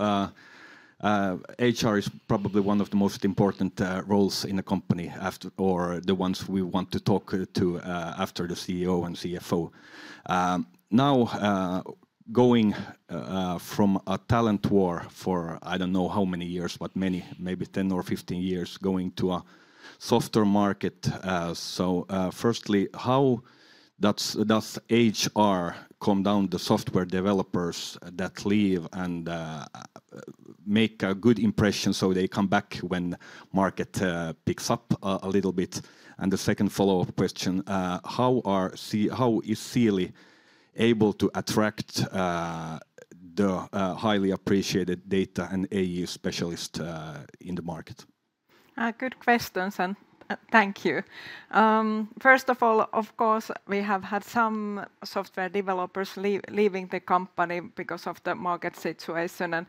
HR is probably one of the most important roles in a company, or the ones we want to talk to after the CEO and CFO. Now, going from a talent war for I don't know how many years, but many, maybe 10 or 15 years, going to a softer market. So firstly, how does HR calm down the software developers that leave and make a good impression so they come back when the market picks up a little bit? And the second follow-up question, how is Siili able to attract the highly appreciated data and AI specialists in the market? Good question, Joni. Thank you. First of all, of course, we have had some software developers leaving the company because of the market situation. And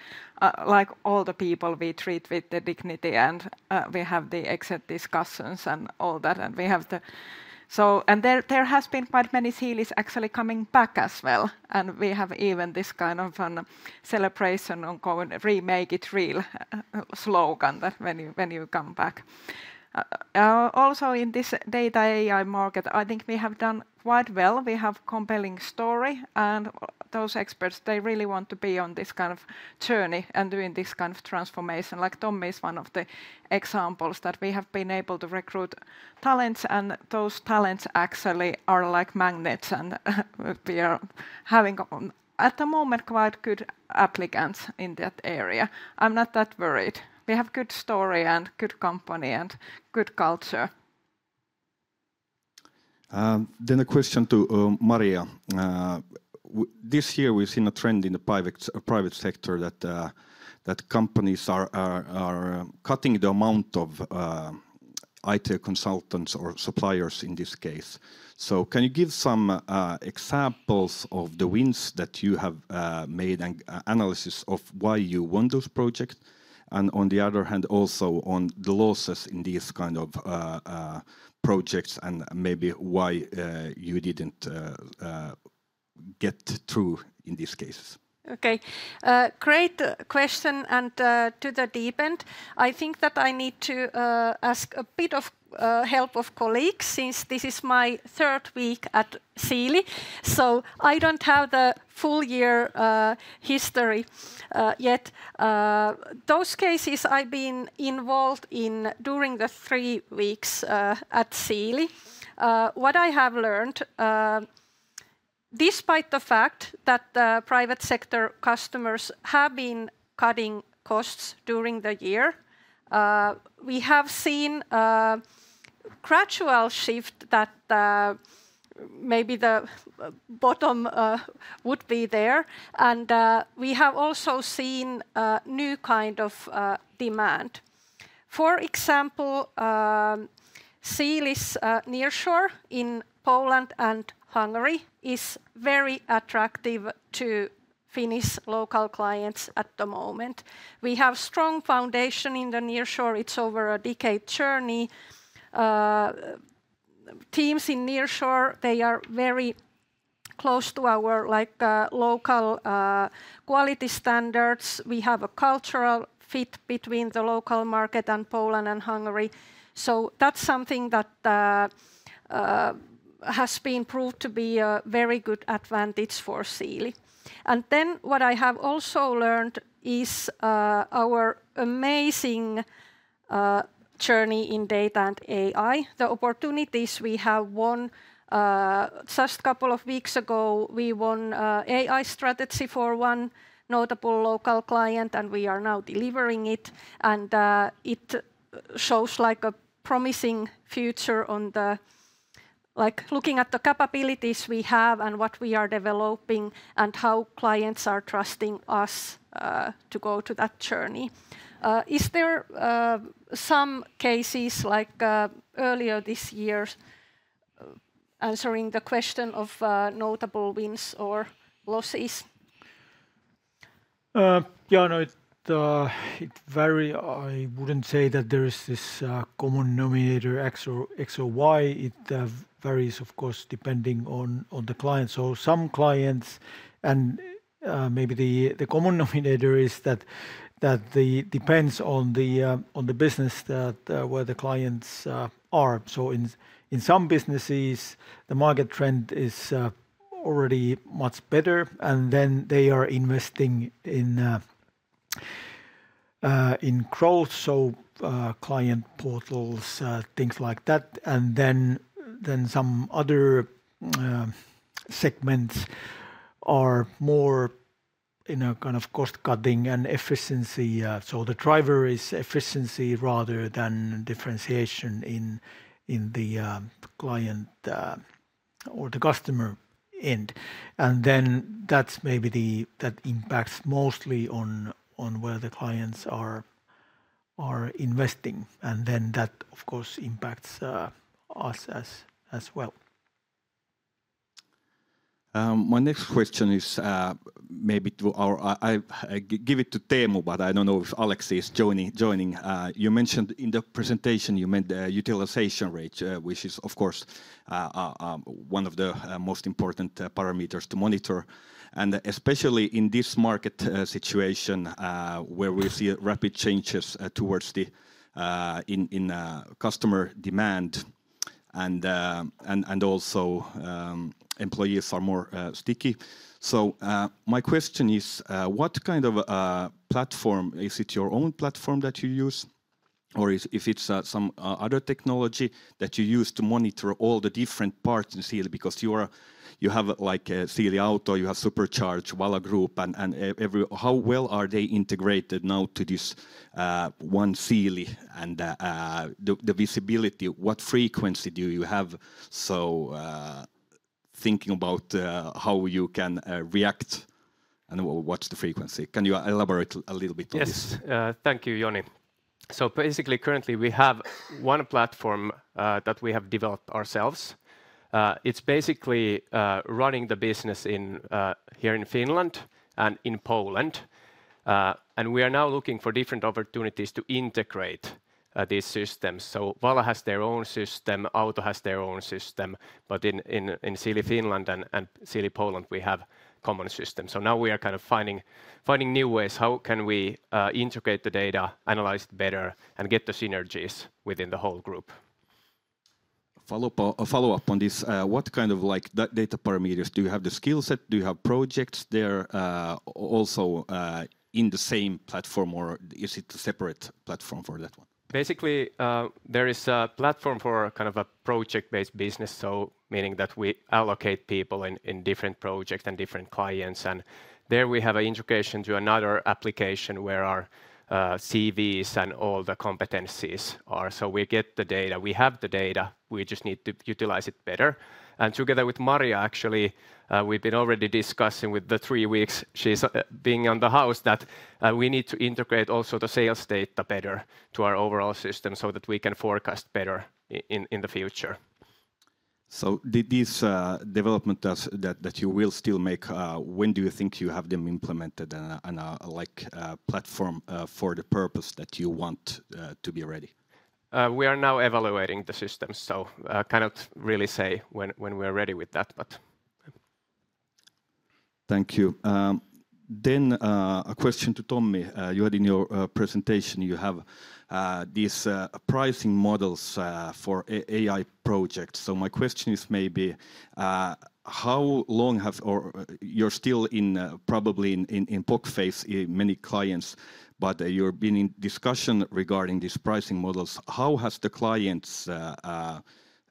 like all the people, we treat with the dignity and we have the exit discussions and all that. And we have, and there has been quite many Siilis actually coming back as well. And we have even this kind of celebration on Remake It Real slogan that when you come back. Also in this data AI market, I think we have done quite well. We have a compelling story. And those experts, they really want to be on this kind of journey and doing this kind of transformation. Like Tommi is one of the examples that we have been able to recruit talents. And those talents actually are like magnets. And we are having at the moment quite good applicants in that area. I'm not that worried. We have a good story and good company and good culture. Then a question to Maria. This year we've seen a trend in the private sector that companies are cutting the amount of IT consultants or suppliers in this case. So can you give some examples of the wins that you have made and analysis of why you won those projects? And on the other hand, also on the losses in these kind of projects and maybe why you didn't get through in these cases. Okay, great question. And to the deep end, I think that I need to ask a bit of help of colleagues since this is my third week at Siili. So I don't have the full year history yet. Those cases I've been involved in during the three weeks at Siili. What I have learned, despite the fact that the private sector customers have been cutting costs during the year, we have seen a gradual shift that maybe the bottom would be there, and we have also seen a new kind of demand. For example, Siili's nearshore in Poland and Hungary is very attractive to Finnish local clients at the moment. We have a strong foundation in the nearshore. It's over a decade journey. Teams in nearshore, they are very close to our local quality standards. We have a cultural fit between the local market and Poland and Hungary, so that's something that has been proved to be a very good advantage for Siili, and then what I have also learned is our amazing journey in data and AI. The opportunities we have won. Just a couple of weeks ago, we won an AI strategy for one notable local client, and we are now delivering it, and it shows like a promising future on the, like looking at the capabilities we have and what we are developing and how clients are trusting us to go to that journey. Is there some cases like earlier this year answering the question of notable wins or losses? Yeah, no, it varies. I wouldn't say that there is this common denominator X or Y. It varies, of course, depending on the client, so some clients, and maybe the common denominator is that it depends on the business where the clients are, so in some businesses, the market trend is already much better, and then they are investing in growth, so client portals, things like that. And then some other segments are more in a kind of cost cutting and efficiency. So the driver is efficiency rather than differentiation in the client or the customer end. And then that's maybe that impacts mostly on where the clients are investing. And then that, of course, impacts us as well. My next question is maybe to our. I give it to Teemu, but I don't know if Alex is joining. You mentioned in the presentation. You meant the utilization rate, which is, of course, one of the most important parameters to monitor. And especially in this market situation where we see rapid changes towards the customer demand and also employees are more sticky. So my question is, what kind of platform is it, your own platform that you use? Or if it's some other technology that you use to monitor all the different parts in Siili? Because you have like Siili Auto, you have Supercharge, VALA Group, and how well are they integrated now to this one Siili? And the visibility, what frequency do you have? So thinking about how you can react and watch the frequency. Can you elaborate a little bit on this? Yes, thank you, Joni. So basically, currently we have one platform that we have developed ourselves. It's basically running the business here in Finland and in Poland. And we are now looking for different opportunities to integrate these systems. So VALA has their own system, Auto has their own system. But in Siili Finland and Siili Poland, we have a common system. So now we are kind of finding new ways. How can we integrate the data, analyze it better, and get the synergies within the whole group? Follow up on this. What kind of data parameters do you have? The skill set? Do you have projects there also in the same platform, or is it a separate platform for that one? Basically, there is a platform for kind of a project-based business, so meaning that we allocate people in different projects and different clients. And there we have an integration to another application where our CVs and all the competencies are. So we get the data, we have the data, we just need to utilize it better. And together with Maria, actually, we've been already discussing in the three weeks she's been in the house that we need to integrate also the sales data better to our overall system so that we can forecast better in the future. So these developments that you will still make, when do you think you have them implemented and like a platform for the purpose that you want to be ready? We are now evaluating the system, so I cannot really say when we are ready with that, but. Thank you. Then a question to Tommi. You had in your presentation, you have these pricing models for AI projects. So my question is maybe how long have you been still probably in POC phase in many clients, but you've been in discussion regarding these pricing models. How have the clients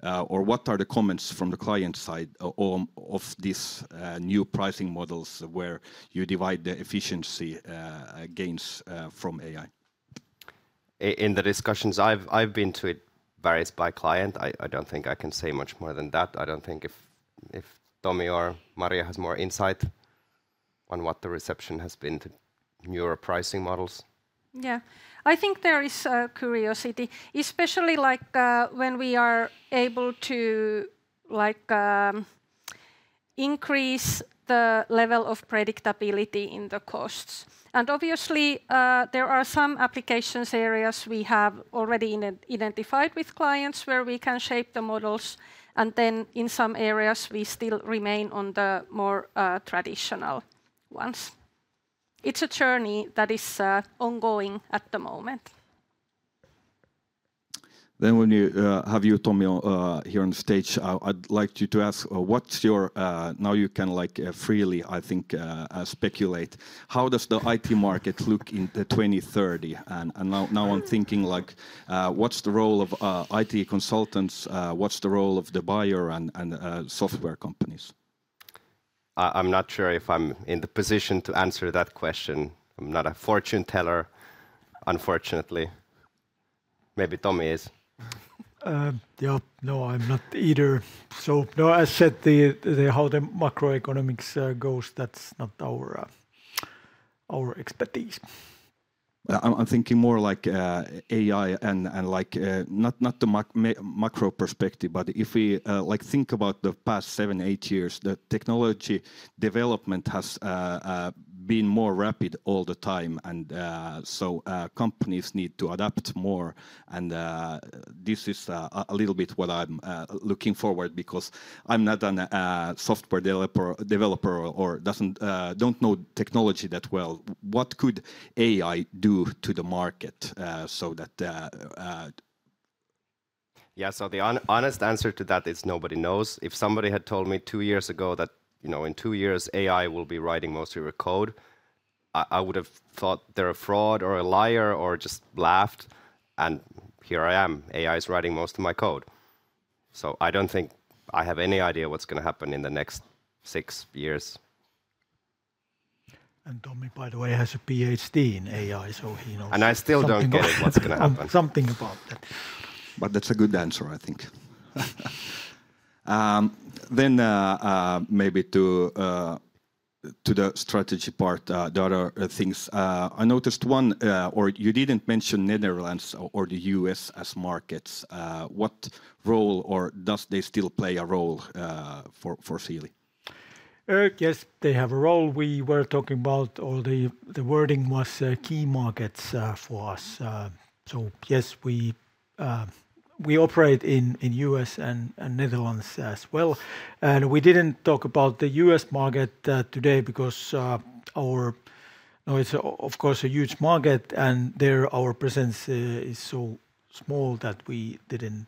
or what are the comments from the client side of these new pricing models where you divide the efficiency gains from AI? In the discussions, I've been to, it varies by client. I don't think I can say much more than that. I don't think if Tommi or Maria has more insight on what the reception has been to newer pricing models. Yeah, I think there is curiosity, especially like when we are able to increase the level of predictability in the costs. And obviously, there are some applications areas we have already identified with clients where we can shape the models. And then in some areas, we still remain on the more traditional ones. It's a journey that is ongoing at the moment. When you have you, Tommy, here on the stage, I'd like you to ask what's your, now you can like freely, I think, speculate. How does the IT market look in 2030? And now I'm thinking like what's the role of IT consultants? What's the role of the buyer and software companies? I'm not sure if I'm in the position to answer that question. I'm not a fortune teller, unfortunately. Maybe Tomi is. Yeah, no, I'm not either. So, no. I said how the macroeconomics goes. That's not our expertise. I'm thinking more like AI and like not the macro perspective, but if we like think about the past seven, eight years, the technology development has been more rapid all the time. Companies need to adapt more. This is a little bit what I'm looking forward to because I'm not a software developer or don't know technology that well. What could AI do to the market so that? Yeah, the honest answer to that is nobody knows. If somebody had told me two years ago that, you know, in two years, AI will be writing most of your code, I would have thought they're a fraud or a liar or just laughed. Here I am. AI is writing most of my code. So I don't think I have any idea what's going to happen in the next six years. And Tommi, by the way, has a PhD in AI, so he knows. And I still don't get what's going to happen. Something about that. But that's a good answer, I think. Then maybe to the strategy part, the other things. I noticed one, or you didn't mention Netherlands or the U.S. as markets. What role or does they still play a role for Siili? Yes, they have a role. We were talking about all the wording was key markets for us. So yes, we operate in the U.S. and Netherlands as well. And we didn't talk about the U.S. market today because our, no, it's of course a huge market and there our presence is so small that we didn't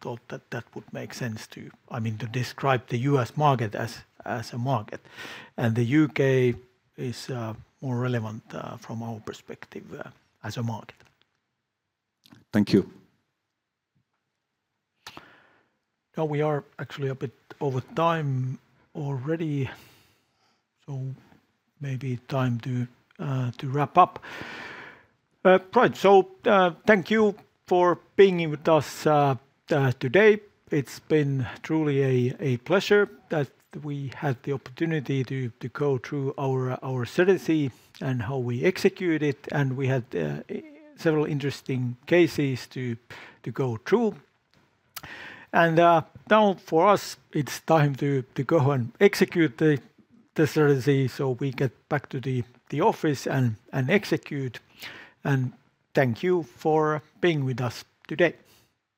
thought that that would make sense to, I mean, to describe the U.S. market as a market. And the U.K. is more relevant from our perspective as a market. Thank you. Now we are actually a bit over time already. So maybe time to wrap up. Right, so thank you for being with us today. It's been truly a pleasure that we had the opportunity to go through our strategy and how we execute it. And we had several interesting cases to go through. And now for us, it's time to go and execute the strategy. So we get back to the office and execute. And thank you for being with us today.